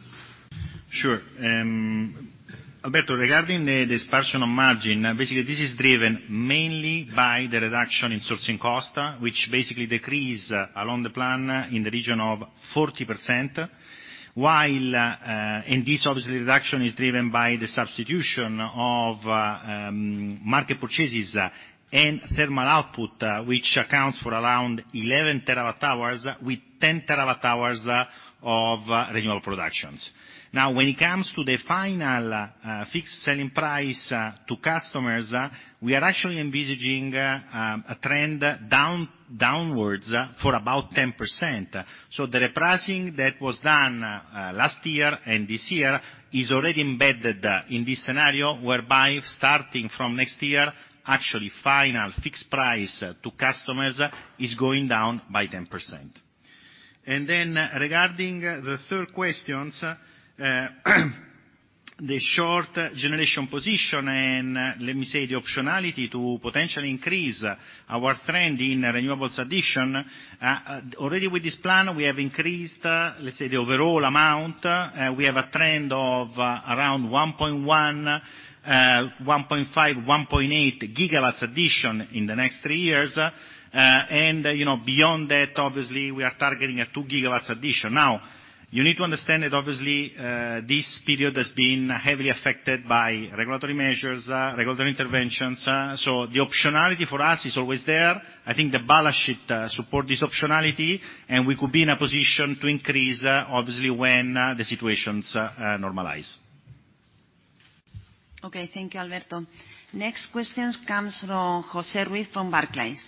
Sure. Alberto, regarding the dispersion of margin, basically this is driven mainly by the reduction in sourcing cost, which basically decrease along the plan in the region of 40%. This obviously reduction is driven by the substitution of market purchases and thermal output, which accounts for around 11 terawatt hours with 10 terawatt hours of renewable productions. When it comes to the final fixed selling price to customers, we are actually envisaging a trend downwards for about 10%. The repricing that was done last year and this year is already embedded in this scenario, whereby starting from next year, actually final fixed price to customers is going down by 10%. Regarding the third questions, the short generation position and let me say the optionality to potentially increase our trend in renewables addition. Already with this plan, we have increased, let's say the overall amount. We have a trend of around 1.1.5, 1.8 gigawatts addition in the next three years. You know, beyond that, obviously we are targeting a 2 gigawatts addition. Now, you need to understand that obviously, this period has been heavily affected by regulatory measures, regulatory interventions. The optionality for us is always there. I think the balance sheet support this optionality, and we could be in a position to increase, obviously, when the situations normalize. Okay. Thank you, Alberto. Next questions comes from Jose Ruiz from Barclays.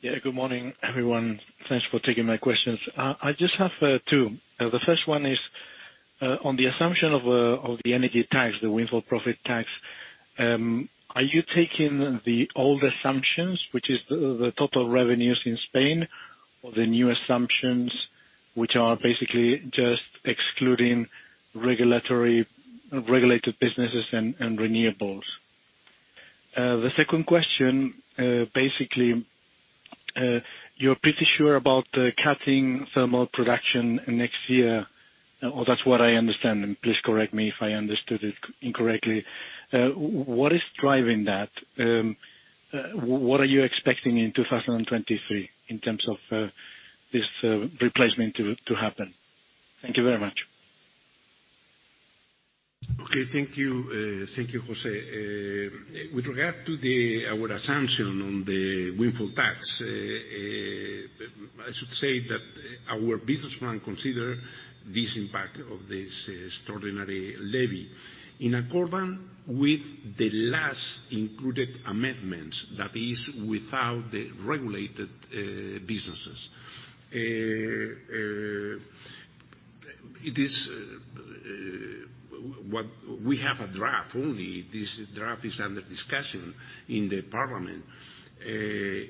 Yeah, good morning, everyone. Thanks for taking my questions. I just have two. The first one is on the assumption of the energy tax, the windfall profit tax, are you taking the old assumptions, which is the total revenues in Spain, or the new assumptions, which are basically just excluding regulated businesses and renewables? The second question, basically, you're pretty sure about cutting thermal production next year, or that's what I understand, and please correct me if I understood it incorrectly. What is driving that? What are you expecting in 2023 in terms of this replacement to happen? Thank you very much. Okay. Thank you. Thank you, Jose. With regard to our assumption on the windfall tax, I should say that our business plan consider this impact of this extraordinary levy in accordance with the last included amendments, that is without the regulated businesses. We have a draft only. This draft is under discussion in the parliament. It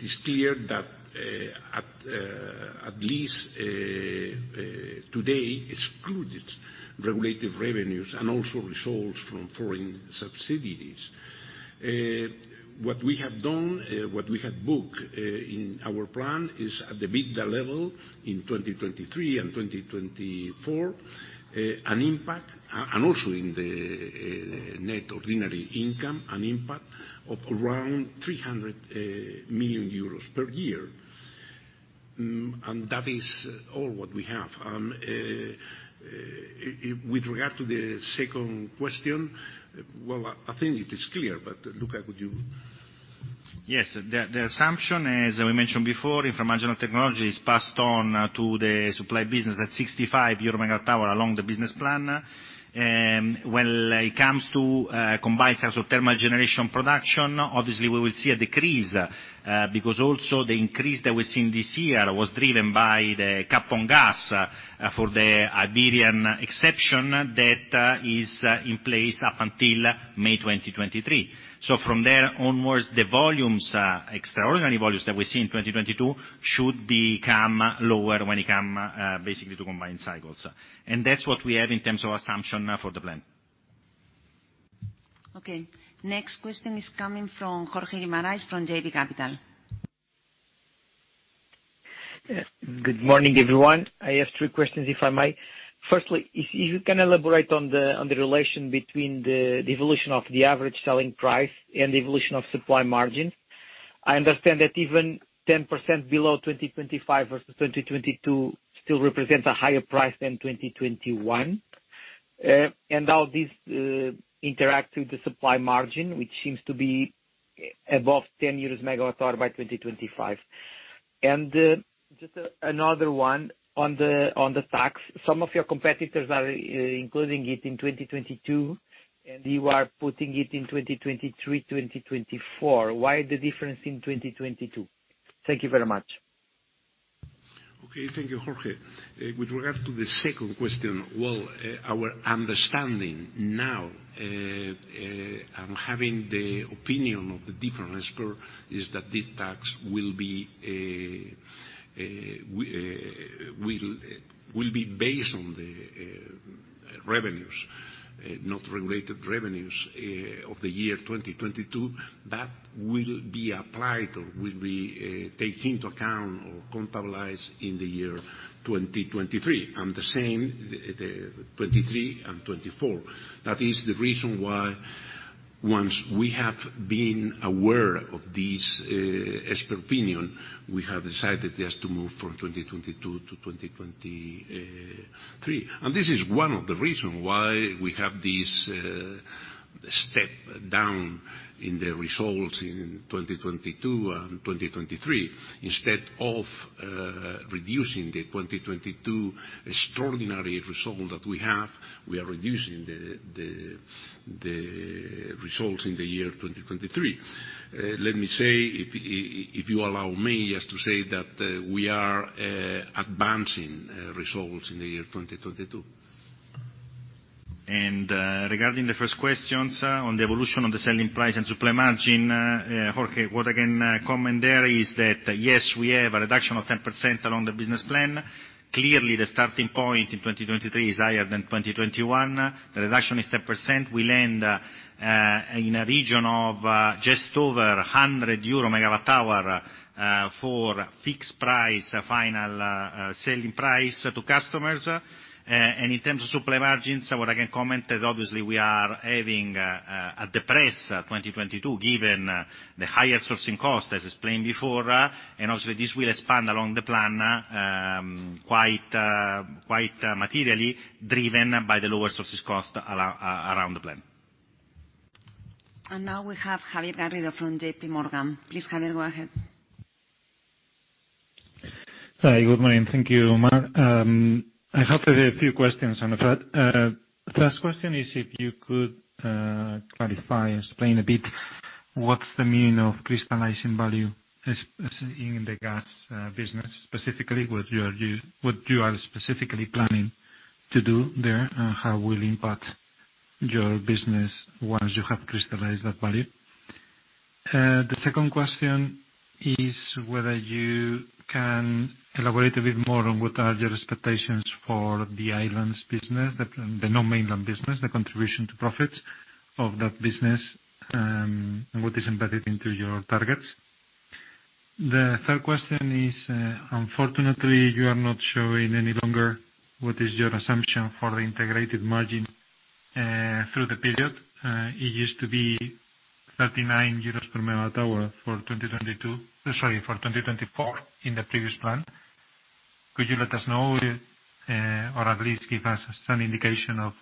is clear that at least today excluded regulated revenues and also results from foreign subsidies. What we have done, what we have booked in our plan is at the EBITDA level in 2023 and 2024, an impact, and also in the net ordinary income, an impact of around 300 million euros per year. That is all what we have. With regard to the second question, well, I think it is clear. Luca, could you? Yes. The assumption, as we mentioned before, from marginal technology is passed on to the supply business at 65 euro megawatt hour along the business plan. When it comes to combined source of thermal generation production, obviously we will see a decrease, because also the increase that we've seen this year was driven by the cap on gas for the Iberian exception that is in place up until May 2023. From there onwards, the volumes, extraordinary volumes that we see in 2022 should become lower when it come basically to combined cycles. That's what we have in terms of assumption for the plan. Okay. Next question is coming from Jorge Guimarães from J.P. Morgan. Good morning, everyone. I have three questions, if I may. Firstly, if you can elaborate on the relation between the evolution of the average selling price and the evolution of supply margins. I understand that even 10% below 2025 versus 2022 still represents a higher price than 2021. How this interacts with the supply margin, which seems to be above 10 euros megawatt hour by 2025. Just another one on the tax. Some of your competitors are including it in 2022, and you are putting it in 2023, 2024. Why the difference in 2022? Thank you very much. Okay. Thank you, Jorge. With regard to the second question, well, our understanding now, and having the opinion of the different experts, is that this tax will be, will be based on the revenues, not regulated revenues, of the year 2022, that will be applied or will be taken into account or accountablized in the year 2023. And the same, the 2023 and 2024. That is the reason why once we have been aware of this expert opinion, we have decided just to move from 2022-2023. And this is one of the reasons why we have this step down in the results in 2022 and 2023. Instead of reducing the 2022 extraordinary result that we have, we are reducing the results in the year 2023. Let me say if you allow me just to say that, we are advancing results in the year 2022. Regarding the first questions on the evolution of the selling price and supply margin, Jorge, what I can comment there is that, yes, we have a reduction of 10% along the business plan. Clearly, the starting point in 2023 is higher than 2021. The reduction is 10%. We land in a region of just over 100 euro megawatt hour for fixed price final selling price to customers. In terms of supply margins, what I can comment that obviously we are having a depressed 2022 given the higher sourcing cost as explained before. Obviously this will expand along the plan, quite materially, driven by the lower sources cost around the plan. Now we have Javier Garrido from JPMorgan. Please, Javier, go ahead. Hi, good morning. Thank you, Mar. I have a few questions. On the first question is if you could clarify, explain a bit what's the meaning of crystallizing value in the gas business, specifically what you are specifically planning to do there, and how it will impact your business once you have crystallized that value. The second question is whether you can elaborate a bit more on what are your expectations for the islands business, the non-mainland business, the contribution to profits of that business, and what is embedded into your targets. The third question is, unfortunately you are not showing any longer what is your assumption for the integrated margin through the period. It used to be 39 euros per megawatt hour for 2024 in the previous plan. Could you let us know, or at least give us some indication of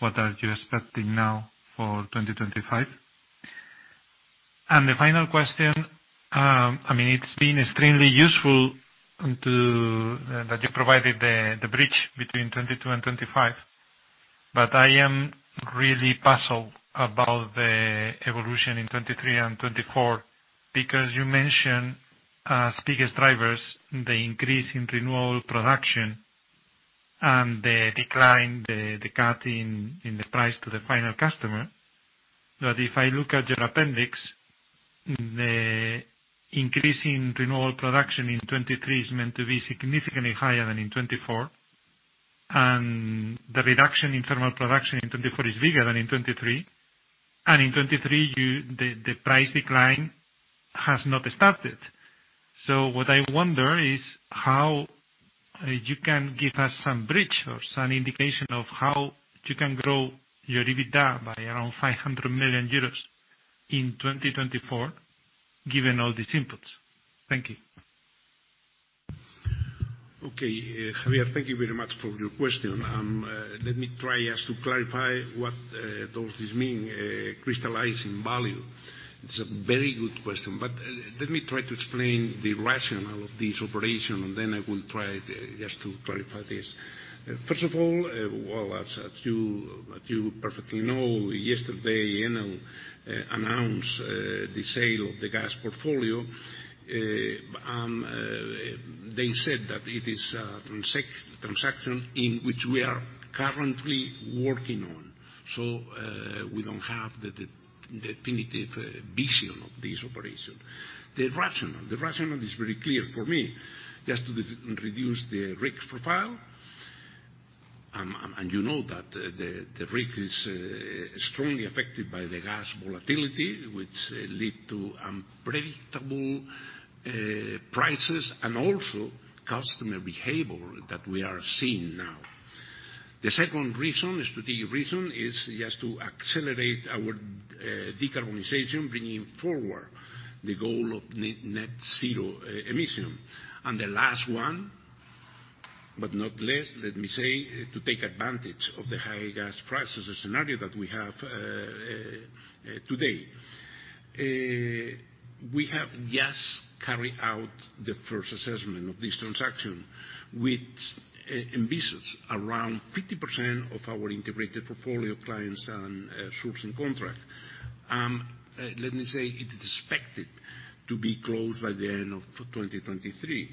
what are you expecting now for 2025? I mean, it's been extremely useful that you provided the bridge between 2022 and 2025, but I am really puzzled about the evolution in 2023 and 2024 because you mention biggest drivers, the increase in renewable production and the decline, the cut in the price to the final customer. If I look at your appendix, the increase in renewable production in 2023 is meant to be significantly higher than in 2024. The reduction in thermal production in 2024 is bigger than in 2023. In 2023, the price decline has not started. What I wonder is how you can give us some bridge or some indication of how you can grow your EBITDA by around 500 million euros in 2024, given all these inputs. Thank you. Okay. Javier, thank you very much for your question. Let me try just to clarify what does this mean, crystallizing value. It's a very good question, but let me try to explain the rationale of this operation, and then I will try just to clarify this. First of all, well, as you perfectly know, yesterday Enel announced the sale of the gas portfolio. They said that it is a transaction in which we are currently working on. We don't have the definitive vision of this operation. The rationale is very clear for me. Just to reduce the risk profile, and you know that the risk is strongly affected by the gas volatility, which lead to unpredictable prices and also customer behavior that we are seeing now. The second reason, strategic reason is just to accelerate our decarbonization, bringing forward the goal of net zero emission. The last one, but not least, let me say, to take advantage of the high gas prices scenario that we have today. We have just carried out the first assessment of this transaction, which envisages around 50% of our integrated portfolio clients and sourcing contract. Let me say, it is expected to be closed by the end of 2023.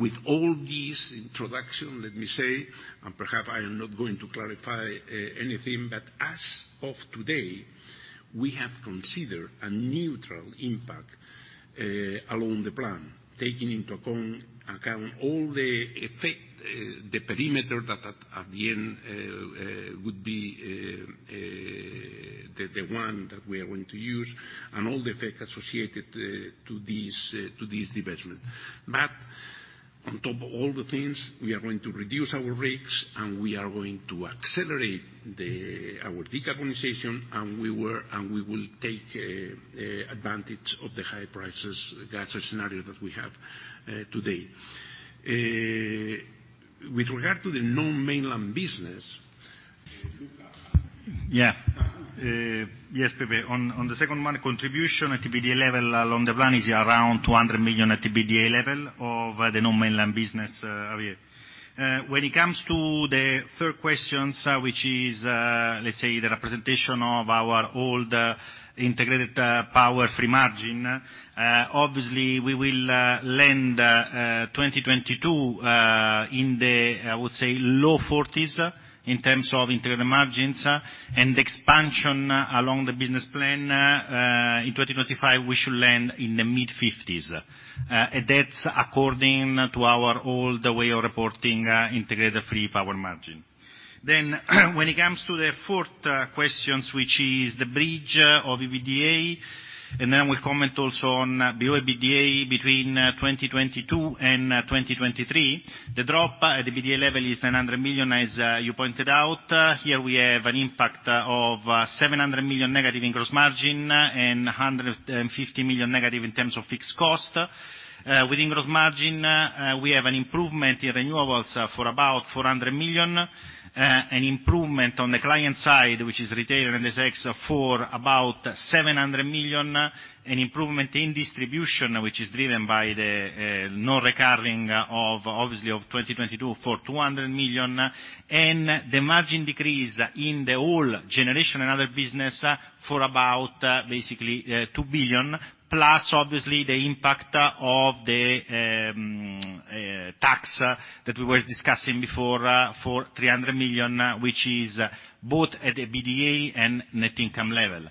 With all these introduction, let me say, and perhaps I am not going to clarify anything, but as of today, we have considered a neutral impact along the plan, taking into account all the effect the perimeter that at the end would be the one that we are going to use, and all the effects associated to these divestment. On top of all the things, we are going to reduce our risks, and we are going to accelerate our decarbonization, and we will take advantage of the high prices gas scenario that we have today. With regard to the non-mainland business, Luca? Yeah. Yes, Pepe. On the second one, contribution at EBITDA level along the plan is around 200 million at EBITDA level of the non-mainland business, Javier. When it comes to the third questions, which is, let's say the representation of our old integrated power free margin, obviously we will land 2022 in the, I would say low 40s in terms of integrated margins, and expansion along the business plan, in 2025, we should land in the mid-50s. That's according to our old way of reporting integrated free power margin. When it comes to the fourth questions, which is the bridge of EBITDA, and then we'll comment also on below EBITDA between 2022 and 2023. The drop at EBITDA level is 900 million, as you pointed out. Here, we have an impact of 700 million negative in gross margin and 150 million negative in terms of fixed cost. With gross margin, we have an improvement in renewables for about 400 million, an improvement on the client side, which is retail and Enel X for about 700 million, an improvement in distribution, which is driven by the non-recurring of obviously of 2022 for 200 million, and the margin decrease in the whole generation and other business for about basically 2 billion, plus obviously the impact of the tax that we were discussing before for 300 million, which is both at EBITDA and net income level.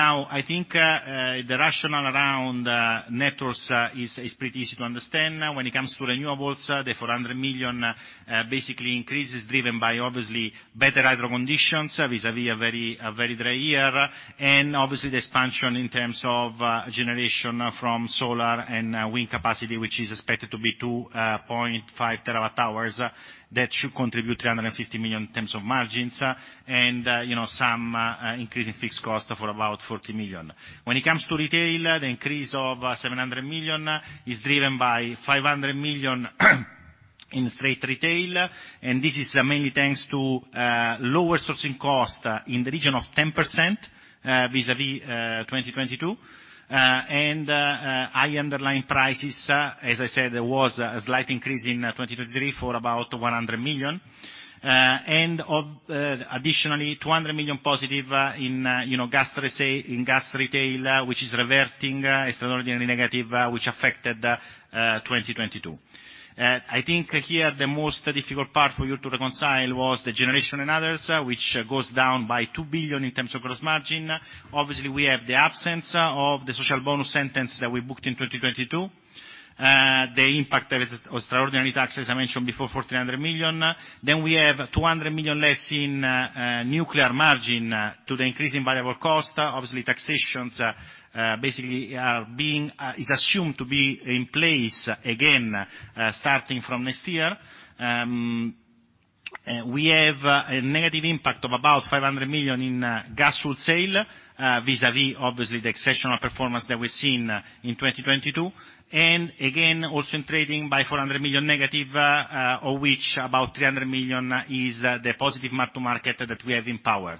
I think the rationale around networks is pretty easy to understand. When it comes to renewables, the 400 million basically increase is driven by obviously better hydro conditions vis-a-vis a very dry year, and obviously the expansion in terms of generation from solar and wind capacity, which is expected to be 2.5 terawatt-hours. That should contribute 350 million in terms of margins, and, you know, some increase in fixed cost for about 40 million. When it comes to retail, the increase of 700 million is driven by 500 million in straight retail, and this is mainly thanks to lower sourcing cost in the region of 10% vis-a-vis 2022, and high underlying prices. As I said, there was a slight increase in 2023 for about 100 million. Additionally, 200 million positive in, you know, gas retail, which is reverting extraordinarily negative, which affected 2022. I think here the most difficult part for you to reconcile was the generation and others, which goes down by 2 billion in terms of gross margin. Obviously, we have the absence of the social bonus sentence that we booked in 2022. The impact of extraordinary tax, as I mentioned before, 400 million. We have 200 million less in nuclear margin to the increase in variable cost. Obviously, taxations basically are being assumed to be in place again starting from next year. We have a negative impact of about 500 million in gas wholesale vis-a-vis obviously the exceptional performance that we've seen in 2022. Again, also in trading by 400 million negative, of which about 300 million is the positive mark-to-market that we have in power.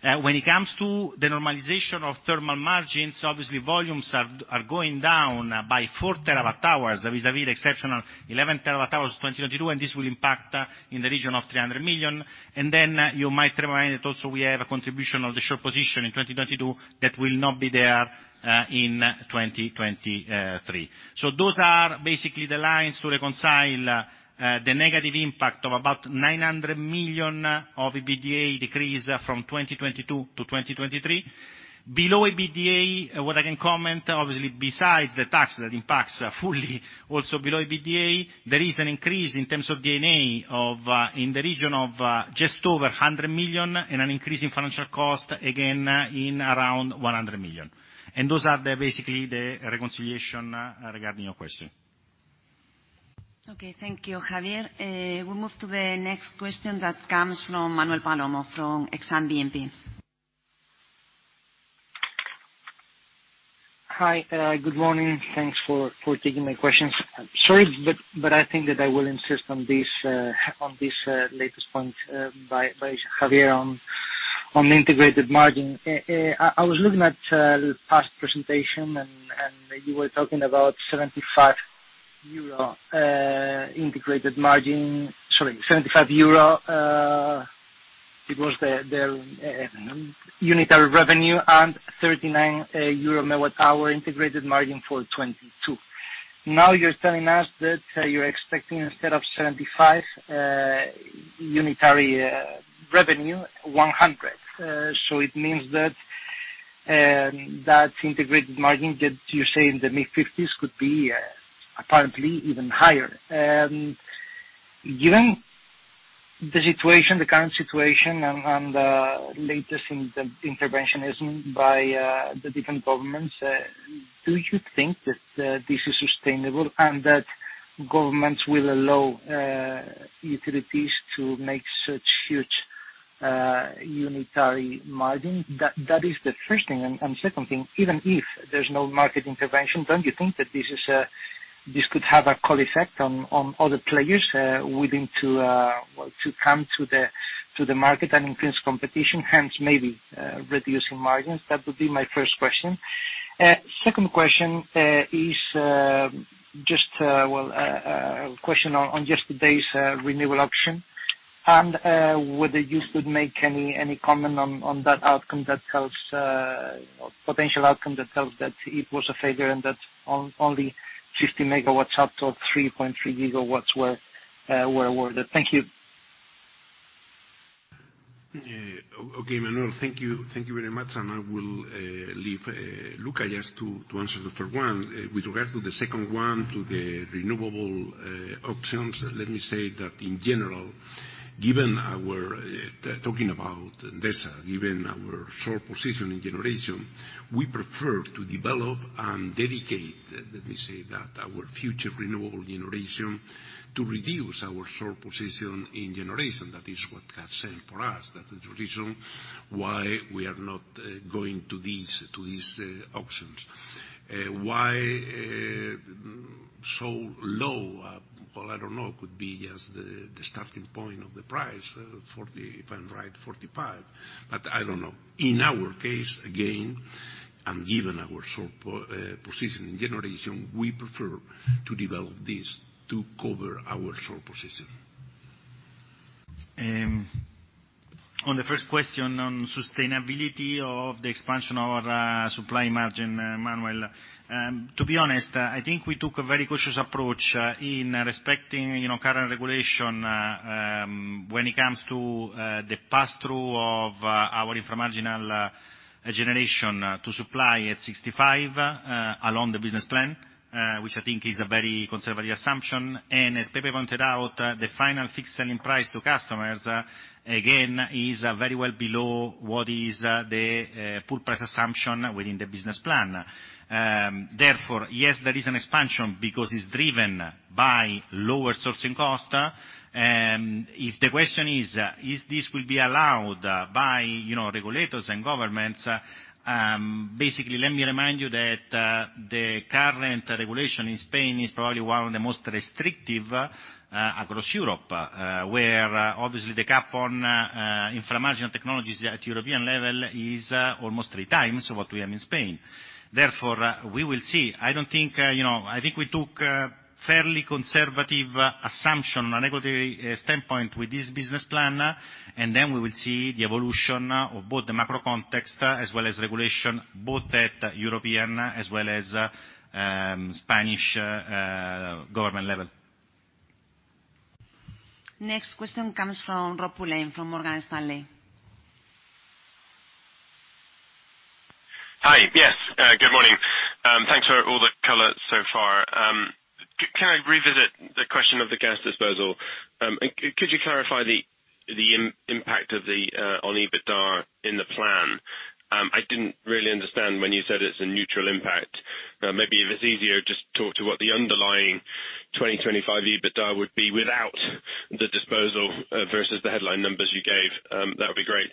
When it comes to the normalization of thermal margins, obviously volumes are going down by 4 terawatt-hours vis-a-vis exceptional 11 terawatt-hours 2022, and this will impact in the region of 300 million. Then you might remind that also we have a contribution of the short position in 2022 that will not be there in 2023. Those are basically the lines to reconcile the negative impact of about 900 million of EBITDA decrease from 2022-2023. Below EBITDA, what I can comment, obviously, besides the tax that impacts fully also below EBITDA, there is an increase in terms of D&A of, in the region of, just over 100 million and an increase in financial cost, again, in around 100 million. Those are the basically the reconciliation regarding your question. Okay. Thank you, Javier. We'll move to the next question that comes from Manuel Palomo from Exane BNP. Hi. Good morning. Thanks for taking my questions. I think that I will insist on this latest point by Javier on integrated margin. I was looking at past presentation, you were talking about 75 euro integrated margin... Sorry, 75 euro. It was the unit of revenue and 39 euro megawatt-hour integrated margin for 2022. Now you're telling us that you're expecting instead of 75 unitary revenue, 100. It means that integrated margin that you say in the mid-50s could be apparently even higher. Given the situation, the current situation and latest in the interventionism by the different governments, do you think that this is sustainable and that governments will allow utilities to make such huge unitary margin? That is the first thing. Second thing, even if there's no market intervention, don't you think that this is, this could have a call effect on other players, willing to well, to come to the market and increase competition, hence maybe reducing margins? That would be my first question. Second question is just a question on yesterday's renewable auction and whether you could make any comment on that outcome that tells that it was a failure and that only 50 megawatts out of 3.3 gigawatts were awarded. Thank you. Okay, Manuel, thank you. Thank you very much. I will leave Luca just to answer the first one. With regard to the second one, to the renewable auctions, in general, given our talking about Endesa, given our short position in generation, we prefer to develop and dedicate that our future renewable generation to reduce our short position in generation. That is what has said for us. That is the reason why we are not going to these auctions. Why so low? Well, I don't know. It could be just the starting point of the price, 40, if I'm right, 45. In our case, again, given our short position in generation, we prefer to develop this to cover our short position. On the first question on sustainability of the expansion of our supply margin, Manuel, to be honest, I think we took a very cautious approach in respecting, you know, current regulation, when it comes to the pass-through of our infra-marginal generation to supply at 65 along the business plan, which I think is a very conservative assumption. As Pepe pointed out, the final fixed selling price to customers, again, is very well below what is the pool price assumption within the business plan. Therefore, yes, there is an expansion because it's driven by lower sourcing cost. If the question is, this will be allowed by, you know, regulators and governments, basically, let me remind you that the current regulation in Spain is probably one of the most restrictive across Europe, where, obviously, the cap on infra-marginal technologies at European level is almost 3x what we have in Spain. We will see. I think we took a fairly conservative assumption on a regulatory standpoint with this business plan, and then we will see the evolution of both the macro context as well as regulation, both at European as well as Spanish government level. Next question comes from Rob Pulleyn from Morgan Stanley. Hi. Yes. Good morning. Thanks for all the color so far. Can I revisit the question of the gas disposal? Could you clarify the impact of the on EBITDA in the plan? I didn't really understand when you said it's a neutral impact. Maybe if it's easier, just talk to what the underlying 2025 EBITDA would be without the disposal versus the headline numbers you gave. That'll be great.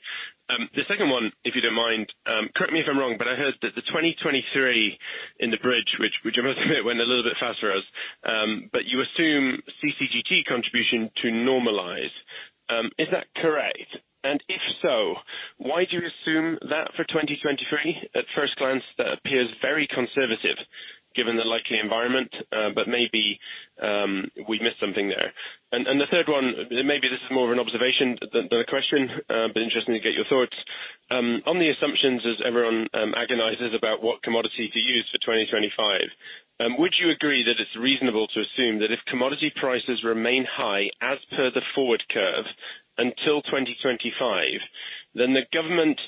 The second one, if you don't mind, correct me if I'm wrong, I heard that the 2023 in the bridge, which I must admit went a little bit faster us, you assume CCGT contribution to normalize. Is that correct? If so, why do you assume that for 2023? At first glance, that appears very conservative given the likely environment, but maybe we missed something there. The third one, maybe this is more of an observation than a question, but interesting to get your thoughts. On the assumptions, as everyone agonizes about what commodity to use for 2025, would you agree that it's reasonable to assume that if commodity prices remain high as per the forward curve until 2025, then the government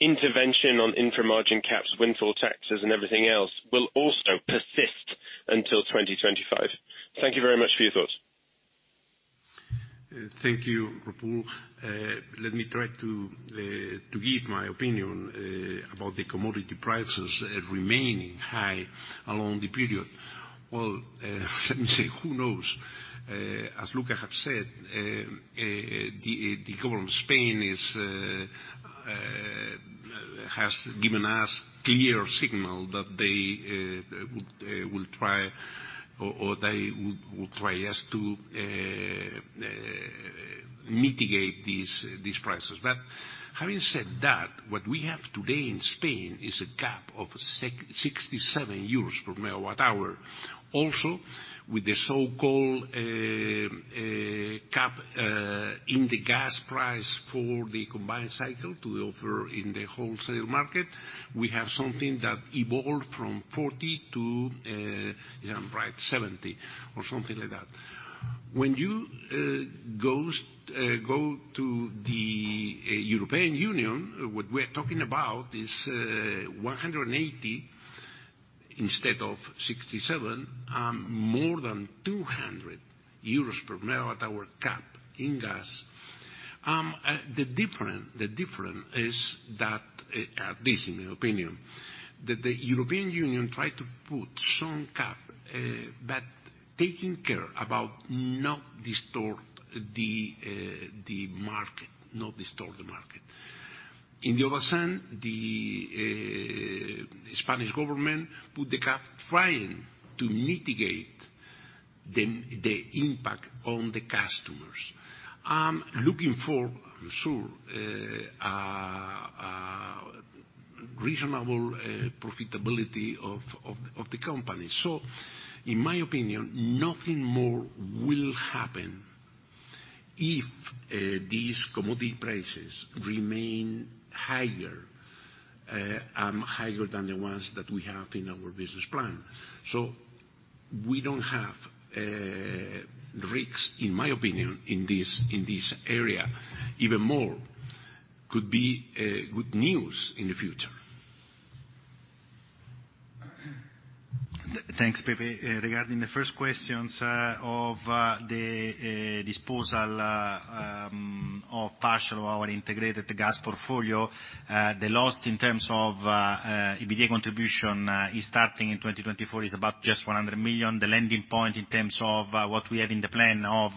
intervention on infra-margin caps, windfall taxes and everything else will also persist until 2025? Thank you very much for your thoughts. Thank you, Rob Pulleyn. Let me try to give my opinion about the commodity prices remaining high along the period. Well, let me say, who knows? As Luca have said, the Government of Spain has given us clear signal that they will try or they would will try as to mitigate these prices. Having said that, what we have today in Spain is a cap of 667 euros per megawatt hour. Also, with the so-called cap in the gas price for the combined cycle to offer in the wholesale market, we have something that evolved from 40 to, if I'm right, 70, or something like that. When you go to the European Union, what we are talking about is 180 instead of 67, more than 200 euros per megawatt hour cap in gas. The different is that, at least in my opinion, the European Union tried to put some cap, but taking care about not distort the market. In the other sense, the Spanish government put the cap trying to mitigate the impact on the customers, looking for, I'm sure, a reasonable profitability of the company. In my opinion, nothing more will happen if these commodity prices remain higher than the ones that we have in our business plan. We don't have, risks, in my opinion, in this, in this area. Even more could be, good news in the future. Thanks, Pepe. Regarding the first questions of the disposal of partial of our integrated gas portfolio, the loss in terms of EBITDA contribution is starting in 2024, is about just 100 million. The landing point in terms of what we have in the plan of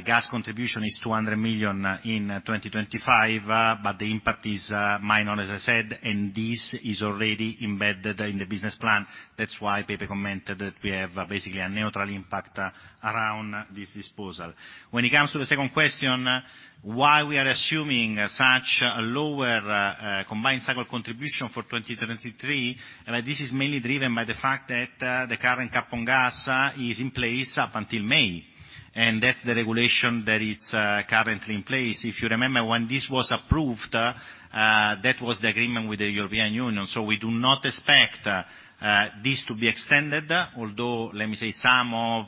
gas contribution is 200 million in 2025. The impact is minor, as I said, and this is already embedded in the business plan. That's why Pepe commented that we have basically a neutral impact around this disposal. When it comes to the second question, why we are assuming such lower combined cycle contribution for 2023, this is mainly driven by the fact that the current cap on gas is in place up until May, and that's the regulation that is currently in place. If you remember when this was approved, that was the agreement with the European Union, we do not expect this to be extended. Although, let me say, some of,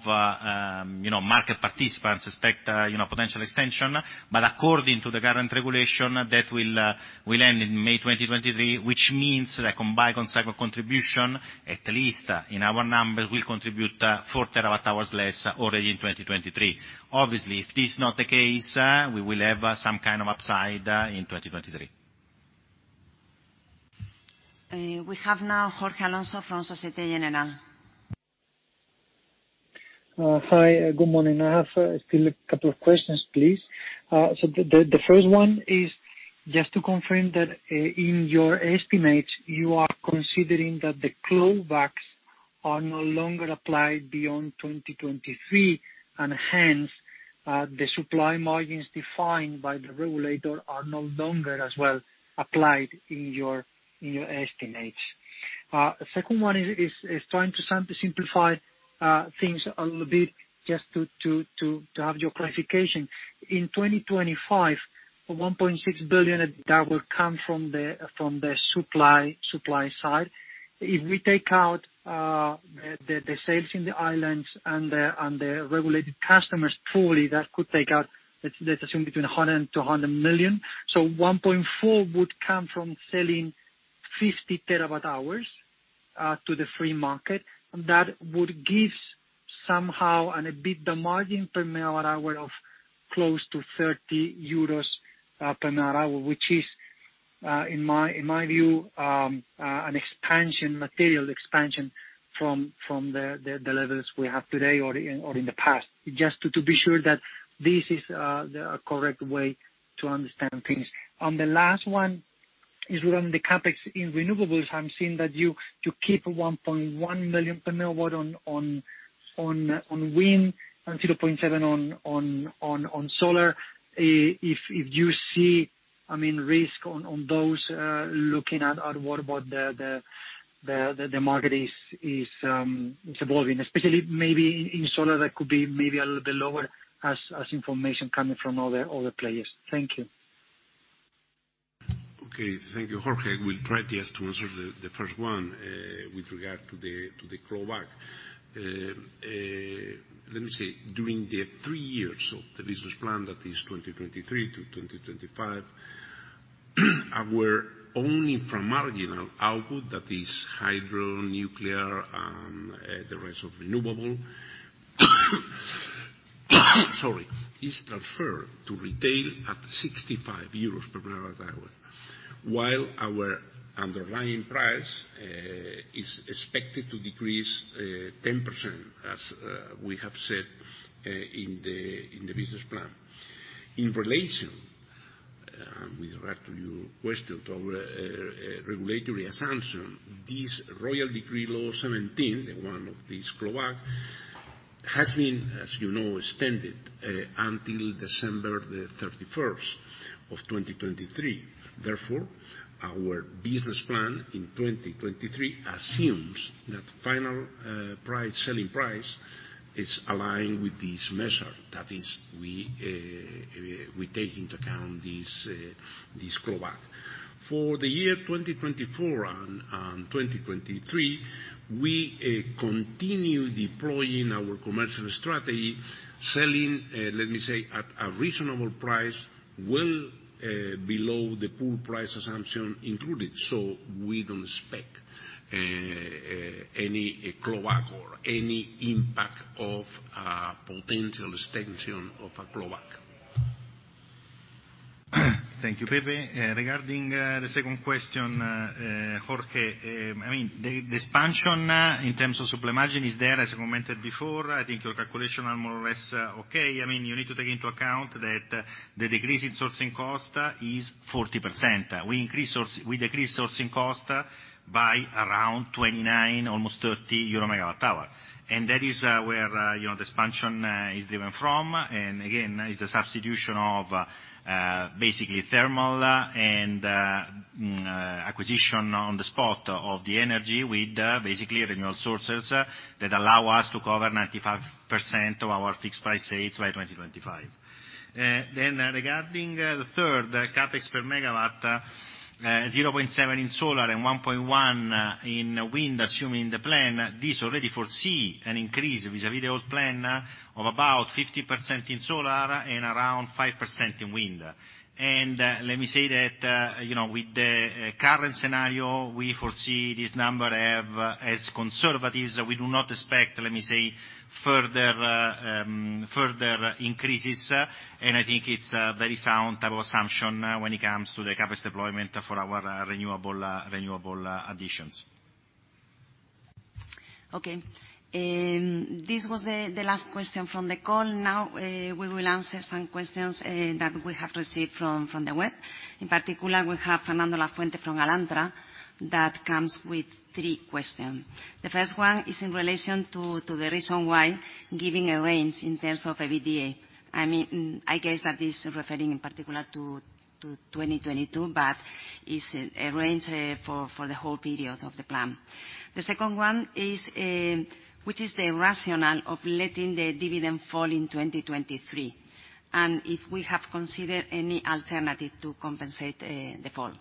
you know, market participants expect, you know, potential extension. According to the current regulation, that will end in May 2023, which means the combined cycle contribution, at least in our numbers, will contribute 4 terawatt hours less already in 2023. Obviously, if this is not the case, we will have some kind of upside in 2023. We have now Jorge Alonso from Société Générale. Hi. Good morning. I have still a couple of questions, please. The first one is just to confirm that in your estimates, you are considering that the clawbacks are no longer applied beyond 2023, and hence, the supply margins defined by the regulator are no longer as well applied in your estimates. Second one is trying to simplify things a little bit just to have your clarification. In 2025, 1.6 billion that will come from the supply side. If we take out the sales in the islands and the regulated customers fully, that could take out, let's assume between 100 million-200 million. 1.4 would come from selling 50 terawatt-hours to the free market. That would give somehow an EBITDA margin per kilowatt hour of close to 30 euros per hour, which is in my view an expansion, material expansion from the levels we have today or in the past. Just to be sure that this is the correct way to understand things. On the last one is around the CapEx in renewables. I'm seeing that you keep 1.1 million per megawatt on wind and 0.7 on solar. if you see, I mean, risk on those, looking at what about the market is evolving, especially maybe in solar, that could be maybe a little bit lower as information coming from other players. Thank you. Okay. Thank you, Jorge. We'll try best to answer the first one with regard to the clawback. Let me say, during the three years of the business plan, that is 2023 to 2025, our only from marginal output that is hydro, nuclear, and the rest of renewable, sorry, is transferred to retail at 65 euros per kWh, while our underlying price is expected to decrease 10%, as we have said in the business plan. In relation with regard to your question to our regulatory assumption, this Royal Decree-Law 17, the one of this clawback has been, as you know, extended until December the 31st of 2023. Our business plan in 2023 assumes that final price, selling price, is aligned with this measure. That is, we take into account this clawback. For the year 2024 and 2023, we continue deploying our commercial strategy, selling, let me say, at a reasonable price, well, below the pool price assumption included. We don't expect any clawback or any impact of a potential extension of a clawback. Thank you, Pepe. Regarding the second question, Jorge. I mean, the expansion in terms of supply margin is there, as I commented before. I think your calculation are more or less okay. I mean, you need to take into account that the decrease in sourcing cost is 40%. We decrease sourcing cost by around 29, almost 30 euro megawatt-hour. That is where, you know, the expansion is driven from, and again, is the substitution of basically thermal and acquisition on the spot of the energy with basically renewable sources that allow us to cover 95% of our fixed price sales by 2025. Regarding the third CapEx per megawatt, 0.7 in solar and 1.1 in wind, assuming the plan, this already foresee an increase vis-à-vis the old plan of about 50% in solar and around 5% in wind. Let me say that, you know, with the current scenario, we foresee this number as conservative. We do not expect, let me say, further increases. I think it's a very sound type of assumption when it comes to the CapEx deployment for our renewable additions. Okay. This was the last question from the call. We will answer some questions that we have received from the web. In particular, we have Fernando Lafuente from Alantra. Comes with three question. The first one is in relation to the reason why giving a range in terms of EBITDA. I mean, I guess that is referring in particular to 2022, but it's a range for the whole period of the plan. The second one is which is the rationale of letting the dividend fall in 2023, and if we have considered any alternative to compensate the fall.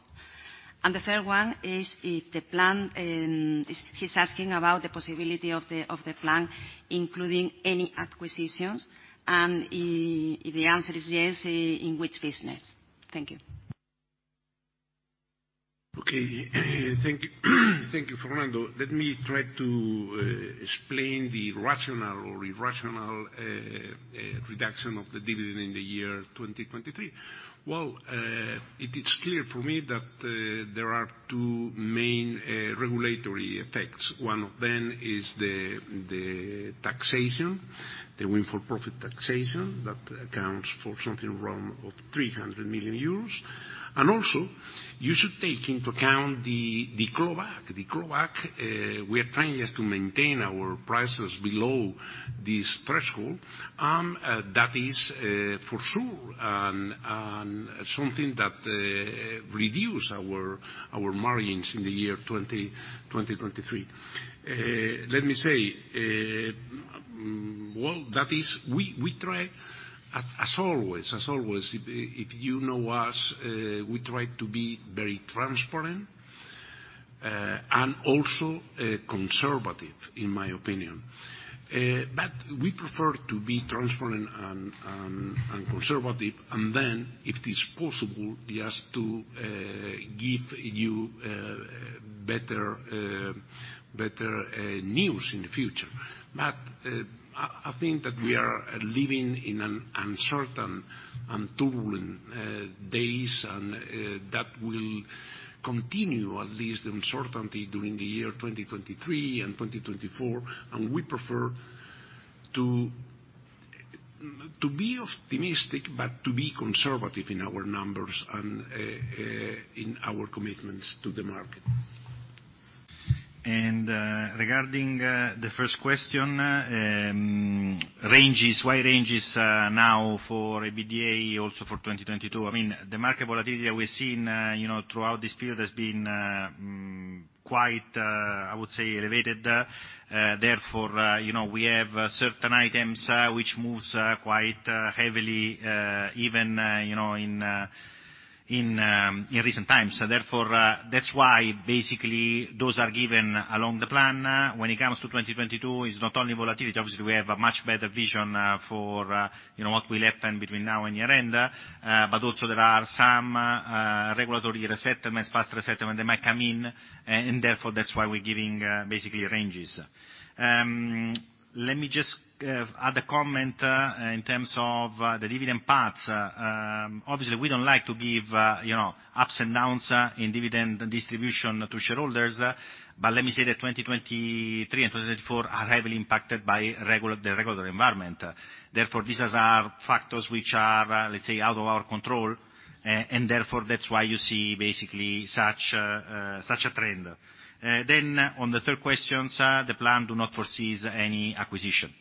The third one is if the plan. He's asking about the possibility of the plan, including any acquisitions, and if the answer is yes, in which business? Thank you. Okay. Thank you, thank you, Fernando. Let me try to explain the rationale or irrational reduction of the dividend in the year 2023. Well, it is clear for me that there are two main regulatory effects. One of them is the windfall profit taxation that accounts for something around of 300 million euros. Also, you should take into account the clawback. The clawback, we are trying just to maintain our prices below this threshold, and that is for sure something that reduce our margins in the year 2023. Let me say, well, that is, we try as always, if you know us, we try to be very transparent and also conservative, in my opinion. We prefer to be transparent and conservative, if it is possible, just to give you better news in the future. I think that we are living in an uncertain and turbulent days and that will continue, at least uncertainty during the year 2023 and 2024. We prefer to be optimistic, but to be conservative in our numbers and in our commitments to the market. Regarding the first question, ranges, wide ranges, now for EBITDA, also for 2022. I mean, the market volatility that we're seeing, you know, throughout this period has been quite, I would say, elevated. Therefore, you know, we have certain items, which moves quite heavily, even, you know, in recent times. Therefore, that's why basically those are given along the plan. When it comes to 2022, it's not only volatility. Obviously, we have a much better vision for, you know, what will happen between now and year-end. But also there are some regulatory settlements, fast settlement that might come in and therefore, that's why we're giving basically ranges. Let me just add a comment in terms of the dividend parts. Obviously we don't like to give, you know, ups and downs in dividend distribution to shareholders, let me say that 2023 and 2024 are heavily impacted by the regular environment. These are our factors which are, let's say, out of our control, and therefore that's why you see basically such a trend. On the third questions, the plan do not foresee any acquisition.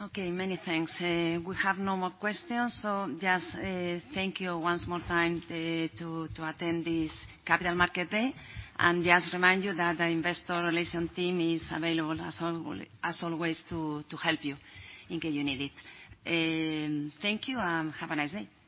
Okay. Many thanks. We have no more questions, just thank you once more time to attend this capital market day. Just remind you that the investor relation team is available as always to help you in case you need it. Thank you, have a nice day.